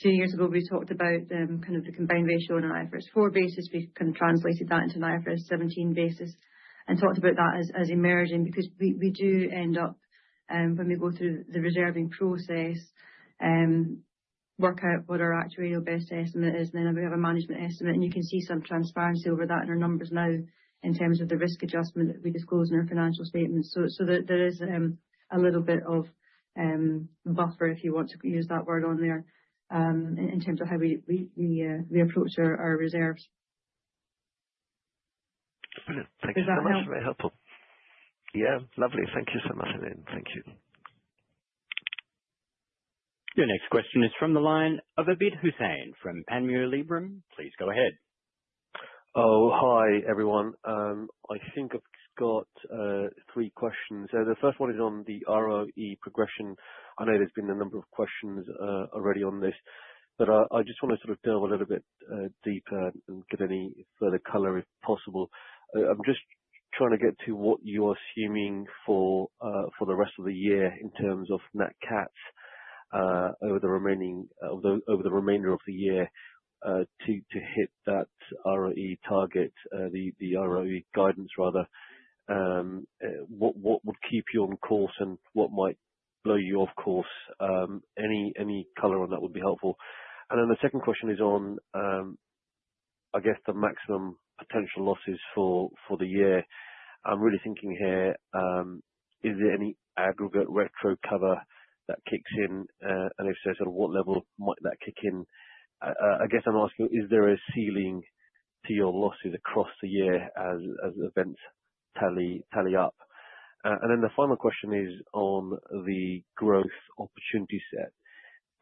few years ago, we talked about kind of the combined ratio on an IFRS 4 basis. We've kind of translated that into an IFRS 17 basis and talked about that as emerging because we do end up, when we go through the reserving process, work out what our actuarial best estimate is. And then we have a management estimate. And you can see some transparency over that in our numbers now in terms of the risk adjustment that we disclose in our financial statements. So there is a little bit of buffer, if you want to use that word on there, in terms of how we approach our reserves. I hope that helps. Very helpful. Yeah. Lovely. Thank you so much, Elaine. Thank you. Your next question is from the line of Abid Hussain from Panmure Liberum. Please go ahead. Oh, hi, everyone. I think I've got three questions. So the first one is on the ROE progression. I know there's been a number of questions already on this, but I just want to sort of delve a little bit deeper and get any further color if possible. I'm just trying to get to what you're assuming for the rest of the year in terms of Nat Cats over the remainder of the year to hit that ROE target, the ROE guidance, rather. What would keep you on course and what might blow you off course? Any color on that would be helpful. And then the second question is on, I guess, the maximum potential losses for the year. I'm really thinking here, is there any aggregate retro cover that kicks in? And if so, sort of what level might that kick in? I guess I'm asking, is there a ceiling to your losses across the year as events tally up? And then the final question is on the growth opportunity set.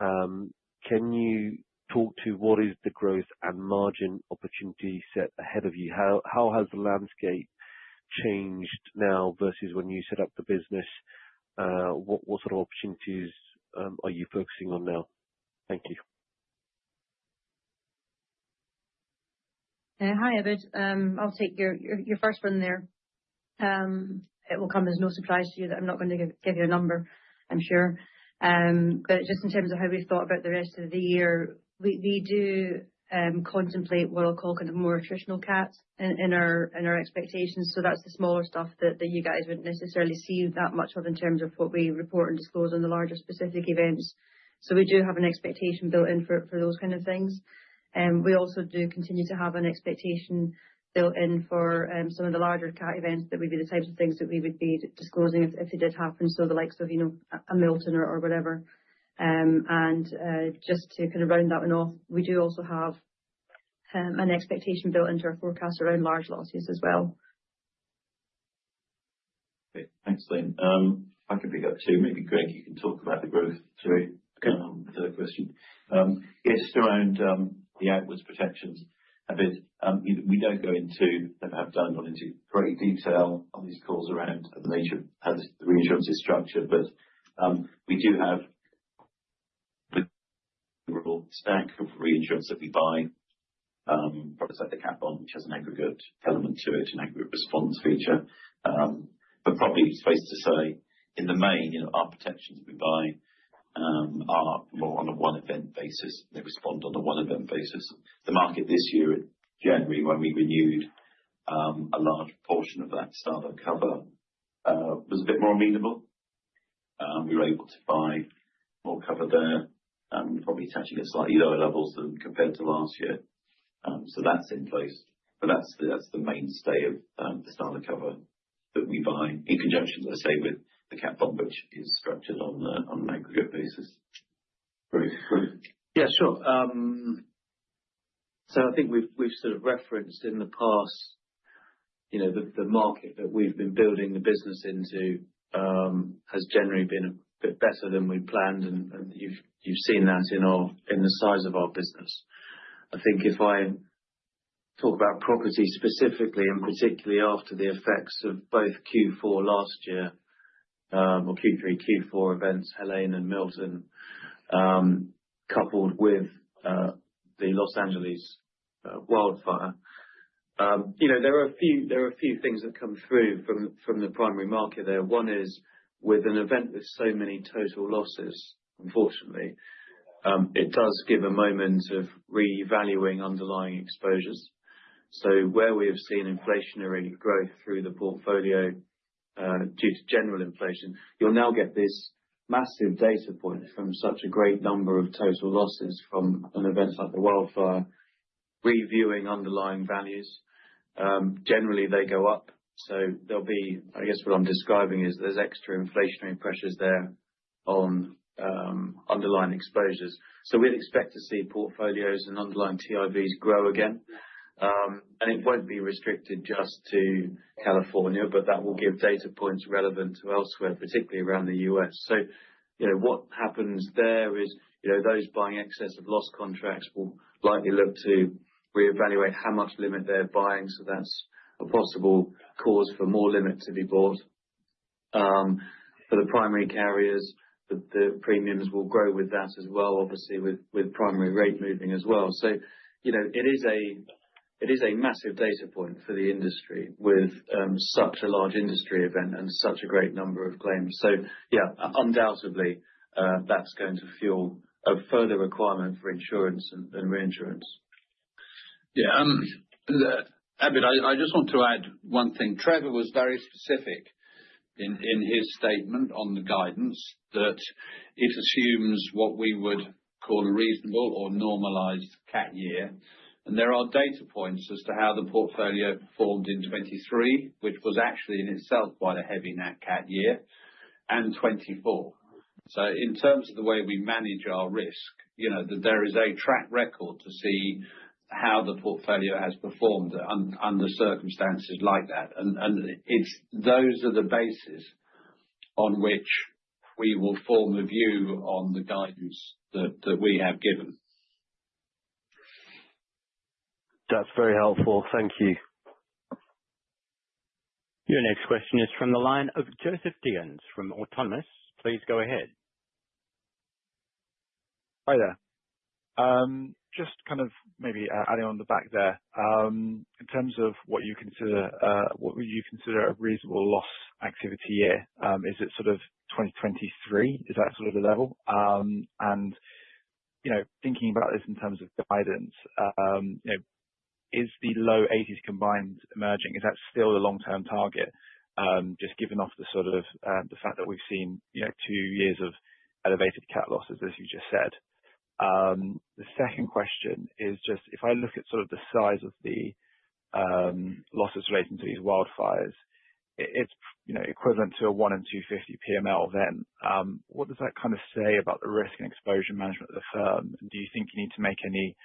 Can you talk to what is the growth and margin opportunity set ahead of you? How has the landscape changed now versus when you set up the business? What sort of opportunities are you focusing on now? Thank you. Hi, Abid. I'll take your first one there. It will come as no surprise to you that I'm not going to give you a number, I'm sure. But just in terms of how we've thought about the rest of the year, we do contemplate what I'll call kind of more attritional Cats in our expectations. So that's the smaller stuff that you guys wouldn't necessarily see that much of in terms of what we report and disclose on the larger specific events. So we do have an expectation built in for those kind of things. We also do continue to have an expectation built in for some of the larger Cat events that would be the types of things that we would be disclosing if they did happen, so the likes of a Milton or whatever. Just to kind of round that one off, we do also have an expectation built into our forecast around large losses as well. Thanks, Elaine. I can pick up too. Maybe Greg, you can talk about the growth through the question. Yeah, just around the outwards protections, Abid, we don't go into great detail on these calls around the nature of the reinsurance structure. But we do have the overall stack of reinsurance that we buy, probably set the Cat bond, which has an aggregate element to it, an aggregate response feature. But probably it's best to say in the main, our protections we buy are more on a one-event basis. They respond on a one-event basis. The market this year in January, when we renewed a large portion of that starter cover, was a bit more amenable. We were able to buy more cover there, probably touching at slightly lower levels than compared to last year. So that's in place. But that's the mainstay of the starter cover that we buy, in conjunction, as I say, with the Cat bond, which is structured on an aggregate basis. Yeah, sure. So I think we've sort of referenced in the past the market that we've been building the business into has generally been a bit better than we planned, and you've seen that in the size of our business. I think if I talk about property specifically, and particularly after the effects of both Q4 last year or Q3, Q4 events, Helene and Milton, coupled with the Los Angeles wildfire, there are a few things that come through from the primary market there. One is with an event with so many total losses, unfortunately, it does give a moment of reevaluating underlying exposures. So where we have seen inflationary growth through the portfolio due to general inflation, you'll now get this massive data point from such a great number of total losses from an event like the wildfire, reviewing underlying values. Generally, they go up. So there'll be, I guess, what I'm describing is there's extra inflationary pressures there on underlying exposures. So we'd expect to see portfolios and underlying TIVs grow again. And it won't be restricted just to California, but that will give data points relevant to elsewhere, particularly around the U.S. So what happens there is those buying excess of loss contracts will likely look to reevaluate how much limit they're buying so that's a possible cause for more limit to be bought. For the primary carriers, the premiums will grow with that as well, obviously, with primary rate moving as well. So it is a massive data point for the industry with such a large industry event and such a great number of claims. So yeah, undoubtedly, that's going to fuel a further requirement for insurance and reinsurance. Yeah. Abid, I just want to add one thing. Trevor was very specific in his statement on the guidance that it assumes what we would call a reasonable or normalized Cat year. There are data points as to how the portfolio performed in 2023, which was actually in itself quite a heavy Nat Cat year, and 2024. In terms of the way we manage our risk, there is a track record to see how the portfolio has performed under circumstances like that. Those are the basis on which we will form a view on the guidance that we have given. That's very helpful. Thank you. Your next question is from the line of Joseph Deans from Autonomous. Please go ahead. Hi there. Just kind of maybe adding on the back of that. In terms of what you consider, what would you consider a reasonable loss activity year? Is it sort of 2023? Is that sort of the level? And thinking about this in terms of guidance, is the low 80s combined ratio emerging? Is that still the long-term target, just given off the sort of the fact that we've seen two years of elevated Cat losses, as you just said? The second question is just, if I look at sort of the size of the losses relating to these wildfires, it's equivalent to a 1 in 250 PML event. What does that kind of say about the risk and exposure management of the firm? And do you think you need to make any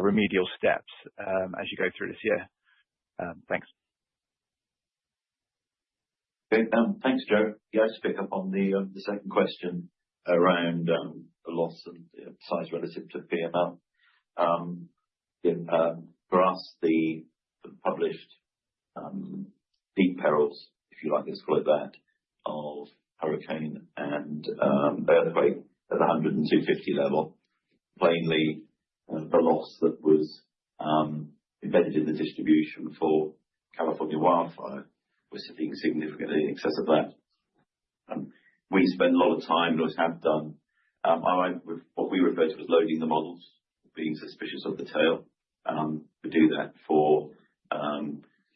remedial steps as you go through this year? Thanks. Thanks, Joe. Yeah, to pick up on the second question around the loss and the size relative to PML, for us, the published peak perils, if you like to call it that, of Hurricane and Bay of the Great at the 100 and 250 level, plainly the loss that was embedded in the distribution for California wildfire was being significantly in excess of that. We spend a lot of time, or have done, what we refer to as loading the models, being suspicious of the tail. We do that for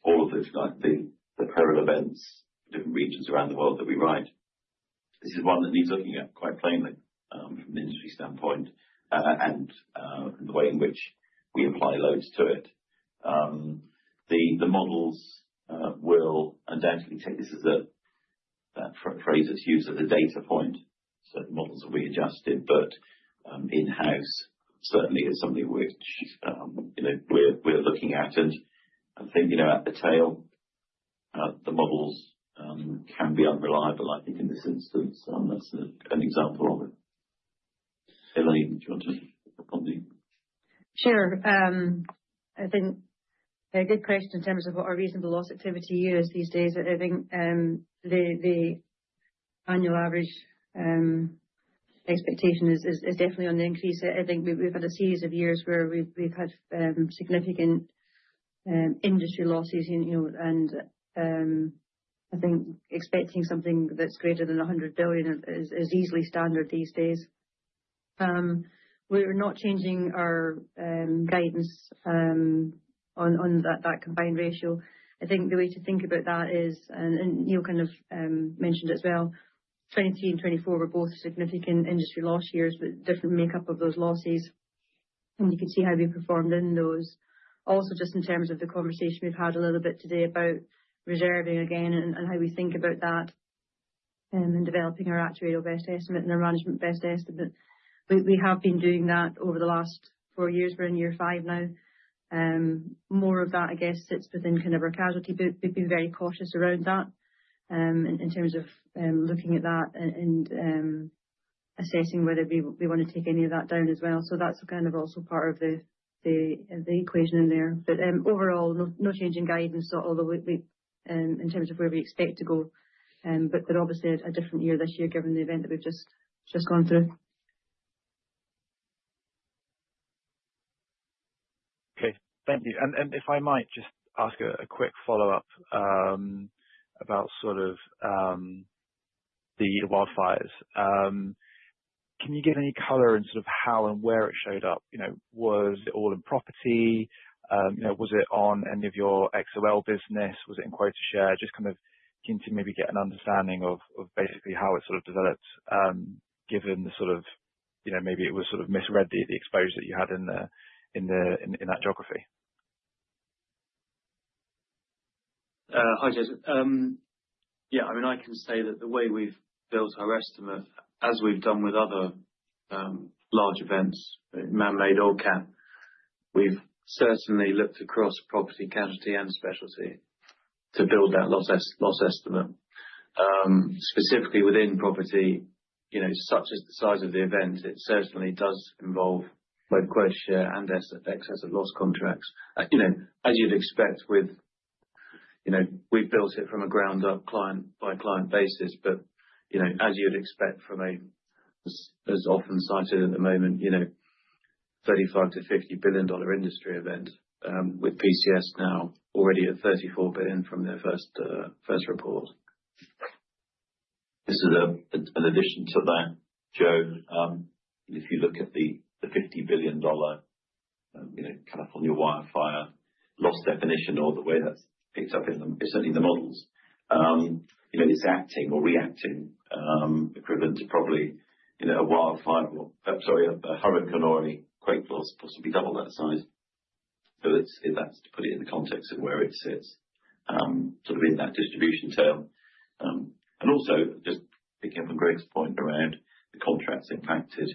all of the peril events for different regions around the world that we write. This is one that needs looking at quite plainly from an industry standpoint and the way in which we apply loads to it. The models will undoubtedly take this as a phrase that's used as a data point. So the models will be adjusted. But in-house, certainly, is something which we're looking at. And I think at the tail, the models can be unreliable, I think, in this instance. That's an example of it. Elaine, do you want to pick up on that? Sure. I think a good question in terms of what our reasonable loss activity is these days. I think the annual average expectation is definitely on the increase. I think we've had a series of years where we've had significant industry losses. And I think expecting something that's greater than $100 billion is easily standard these days. We're not changing our guidance on that combined ratio. I think the way to think about that is, and you kind of mentioned it as well, 2023 and 2024 were both significant industry loss years with different makeup of those losses. And you can see how we performed in those. Also, just in terms of the conversation we've had a little bit today about reserving again and how we think about that and developing our actuarial best estimate and our management best estimate. We have been doing that over the last four years. We're in year five now. More of that, I guess, sits within kind of our casualty book. We've been very cautious around that in terms of looking at that and assessing whether we want to take any of that down as well. So that's kind of also part of the equation in there. But overall, no changing guidance, although in terms of where we expect to go. But obviously, a different year this year given the event that we've just gone through. Okay. Thank you. And if I might just ask a quick follow-up about sort of the wildfires. Can you give any color in sort of how and where it showed up? Was it all in property? Was it on any of your XoL business? Was it in quota share? Just kind of keen to maybe get an understanding of basically how it sort of developed given the sort of maybe it was sort of misread the exposure that you had in that geography. Yeah. I mean, I can say that the way we've built our estimate, as we've done with other large events, man-made or Cat, we've certainly looked across property, casualty, and specialty to build that loss estimate. Specifically within property, such as the size of the event, it certainly does involve both quota share and excess of loss contracts. As you'd expect, we've built it from a ground-up client-by-client basis. But, as you'd expect from a—as often cited at the moment—$35 billion-$50 billion industry event with PCS now already at $34 billion from their first report. This is an addition to that, Joe. If you look at the $50 billion California wildfire loss definition or the way that's picked up in them, it's certainly the models. It's acting or reacting equivalent to probably a wildfire, sorry, a hurricane or a quake loss, possibly double that size. So that's to put it in the context of where it sits sort of in that distribution tail, and also, just picking up on Greg's point around the contracts impacted,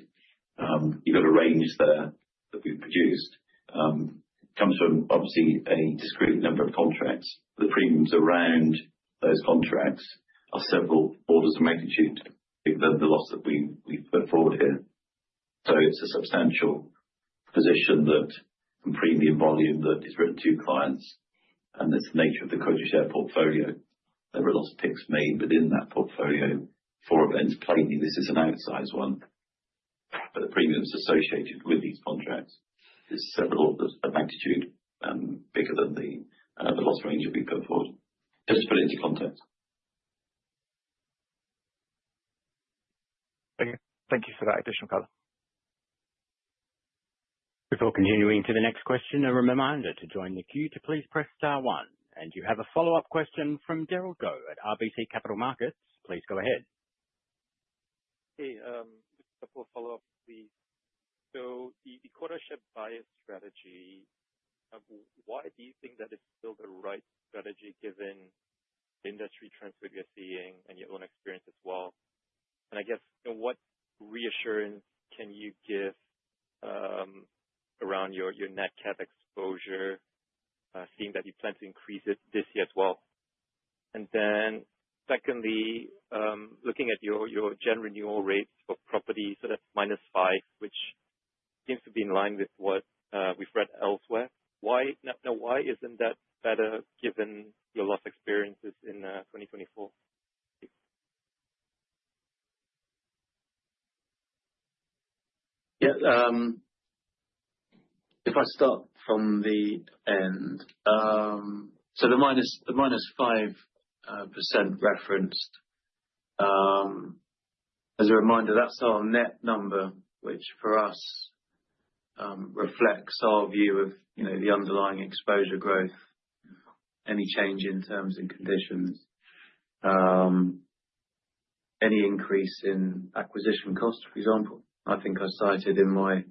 you've got a range there that we've produced. It comes from obviously a discrete number of contracts. The premiums around those contracts are several orders of magnitude bigger than the loss that we put forward here. So it's a substantial position that and premium volume that is written to clients. And it's the nature of the quota share portfolio. There are lots of picks made within that portfolio for events. Plainly, this is an outsized one. But the premiums associated with these contracts are several orders of magnitude bigger than the loss range that we put forward. Just to put it into context. Thank you for that additional color. Before continuing to the next question, a reminder to join the queue to please press star one. And you have a follow-up question from Derald Goh at RBC Capital Markets. Please go ahead. Hey, just a quick follow-up. So the quota share buyer strategy, why do you think that is still the right strategy given the industry trends that you're seeing and your own experience as well? And I guess, what reassurance can you give around your Nat Cat exposure, seeing that you plan to increase it this year as well? And then secondly, looking at your Jan renewal rates for property, so that's minus 5%, which seems to be in line with what we've read elsewhere. Now, why isn't that better given your loss experiences in 2024? Yeah. If I start from the end, so the -5% referenced, as a reminder, that's our net number, which for us reflects our view of the underlying exposure growth, any change in terms and conditions, any increase in acquisition cost, for example. I think I cited in my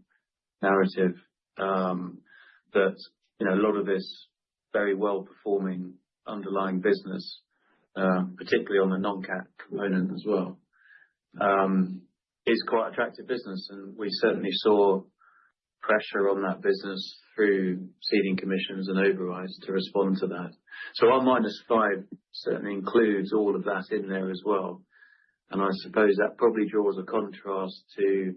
narrative that a lot of this very well-performing underlying business, particularly on the non-Cat component as well, is quite attractive business. And we certainly saw pressure on that business through ceding commissions and overrides to respond to that. Our -5% certainly includes all of that in there as well. I suppose that probably draws a contrast to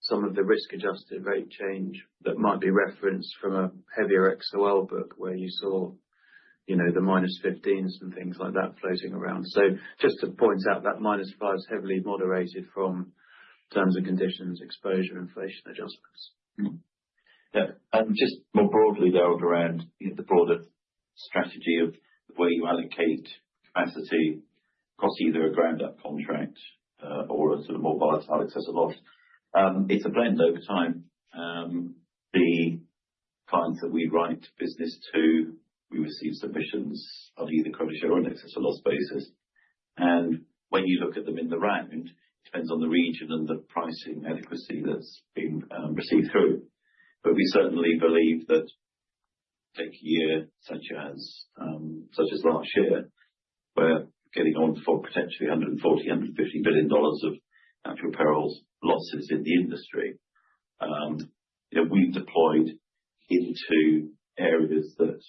some of the risk-adjusted rate change that might be referenced from a heavier XoL book where you saw the -15%s and things like that floating around. Just to point out that -5% is heavily moderated from terms and conditions, exposure, inflation adjustments. Yeah. Just more broadly there, around the broader strategy of the way you allocate capacity across either a ground-up contract or a sort of more volatile excess of loss, it's a blend over time. The clients that we write business to, we receive submissions on either quota share or an excess of loss basis. When you look at them in the round, it depends on the region and the pricing adequacy that's been received through. But we certainly believe that. Take a year such as last year, where getting on for potentially $140 billion-$150 billion of actual perils losses in the industry, we've deployed into areas that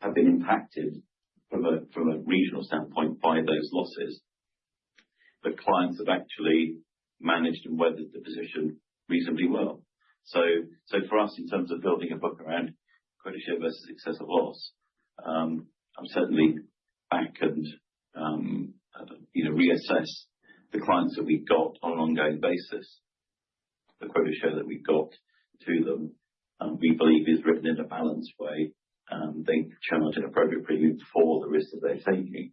have been impacted from a regional standpoint by those losses. But clients have actually managed and weathered the position reasonably well. So for us, in terms of building a book around quota share versus excess loss, I'm certainly back and reassess the clients that we got on an ongoing basis. The quota share that we got to them, we believe, is written in a balanced way. They charge an appropriate premium for the risk that they're taking.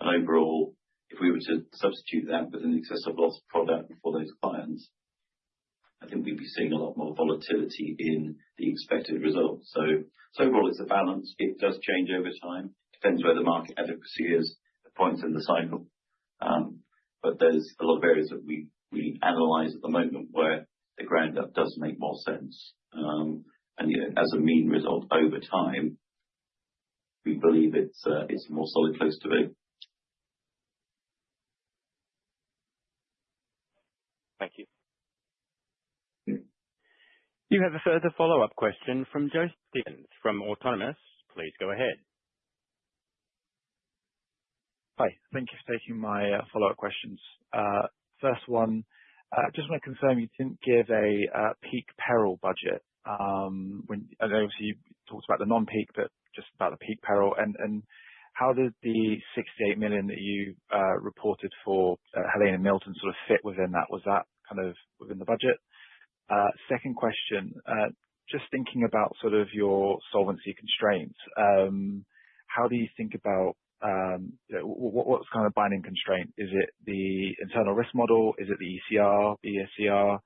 And overall, if we were to substitute that with an excess loss product for those clients, I think we'd be seeing a lot more volatility in the expected results. So overall, it's a balance. It does change over time. It depends where the market adequacy is, the point in the cycle, but there's a lot of areas that we analyze at the moment where the ground-up does make more sense. And as a mean result over time, we believe it's more solid close to it. Thank you. You have a further follow-up question from Joseph Deans from Autonomous. Please go ahead. Hi. Thank you for taking my follow-up questions. First one, I just want to confirm you didn't give a peak peril budget. And obviously, you talked about the non-peak, but just about the peak peril. And how did the $68 million that you reported for Helene and Milton sort of fit within that? Was that kind of within the budget? Second question, just thinking about sort of your solvency constraints, how do you think about what's kind of binding constraint? Is it the internal risk model? Is it the ECR, the BSCR?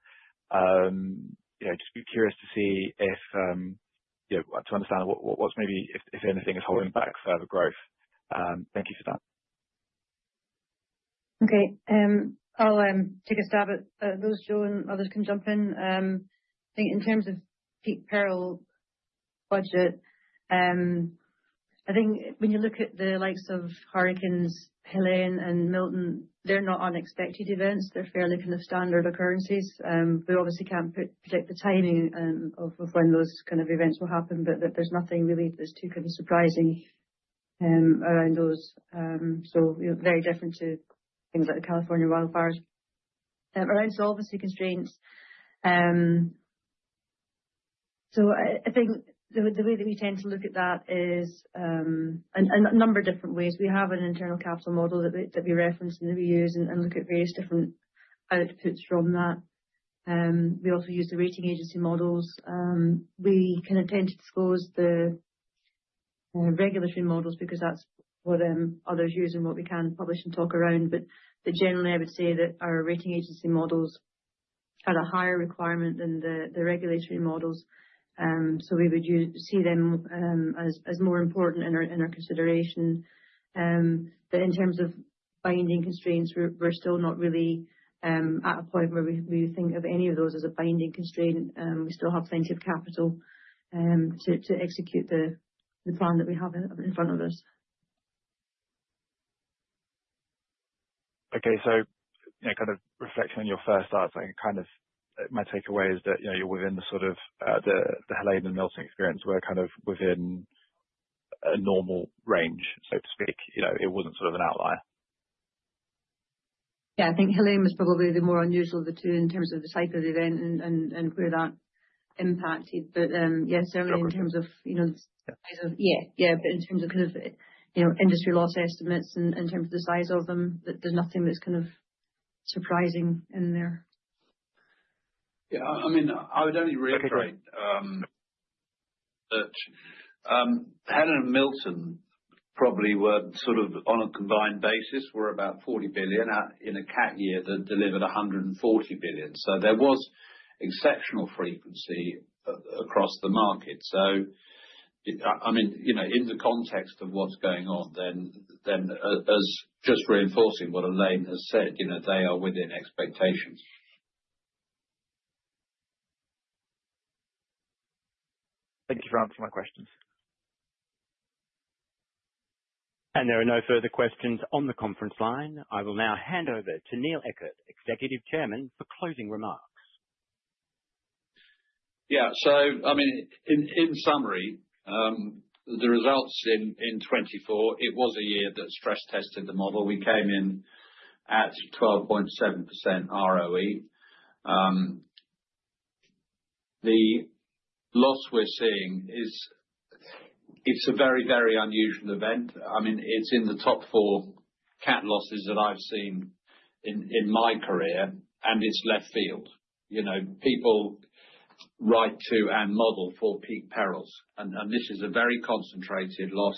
Just be curious to see if to understand what's maybe, if anything, is holding back further growth. Thank you for that. Okay. I'll take a stab at those, Joe. And others can jump in. I think in terms of peak peril budget, I think when you look at the likes of Hurricanes Helene and Milton, they're not unexpected events. They're fairly kind of standard occurrences. We obviously can't predict the timing of when those kind of events will happen, but there's nothing really that's too kind of surprising around those. So very different to things like the California wildfires. Around solvency constraints, so I think the way that we tend to look at that is in a number of different ways. We have an internal capital model that we reference and that we use and look at various different outputs from that. We also use the rating agency models. We can attempt to disclose the regulatory models because that's what others use and what we can publish and talk around. But generally, I would say that our rating agency models had a higher requirement than the regulatory models. So we would see them as more important in our consideration. But in terms of binding constraints, we're still not really at a point where we think of any of those as a binding constraint. We still have plenty of capital to execute the plan that we have in front of us. Okay. So kind of reflecting on your first thoughts, I think kind of my takeaway is that you're within the sort of the Helene and Milton experience. We're kind of within a normal range, so to speak. It wasn't sort of an outlier. Yeah. I think Helene was probably the more unusual of the two in terms of the type of event and where that impacted. But yeah, certainly in terms of the size. But in terms of kind of industry loss estimates and in terms of the size of them, there's nothing that's kind of surprising in there. I mean, I would only reiterate that Helene and Milton probably were sort of on a combined basis were about $40 billion in a Cat year that delivered $140 billion. So there was exceptional frequency across the market. So I mean, in the context of what's going on, then just reinforcing what Elaine has said, they are within expectations. Thank you for answering my questions. And there are no further questions on the conference line. I will now hand over to Neil Eckert, Executive Chairman, for closing remarks. So I mean, in summary, the results in 2024, it was a year that stress-tested the model. We came in at 12.7% ROE. The loss we're seeing, it's a very, very unusual event. I mean, it's in the top four Cat losses that I've seen in my career, and it's left field. People write to and model for peak perils. And this is a very concentrated loss.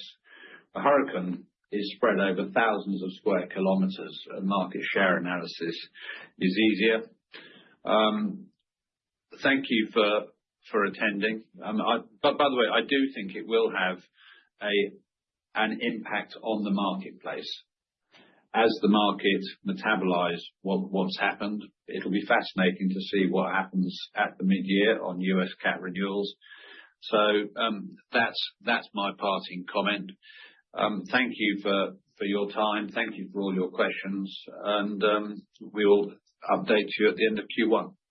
A hurricane is spread over thousands of square kilometers, and market share analysis is easier. Thank you for attending. By the way, I do think it will have an impact on the marketplace as the market metabolize what's happened. It'll be fascinating to see what happens at the midyear on U.S. Cat renewals. So that's my parting comment. Thank you for your time. Thank you for all your questions. And we will update you at the end of Q1.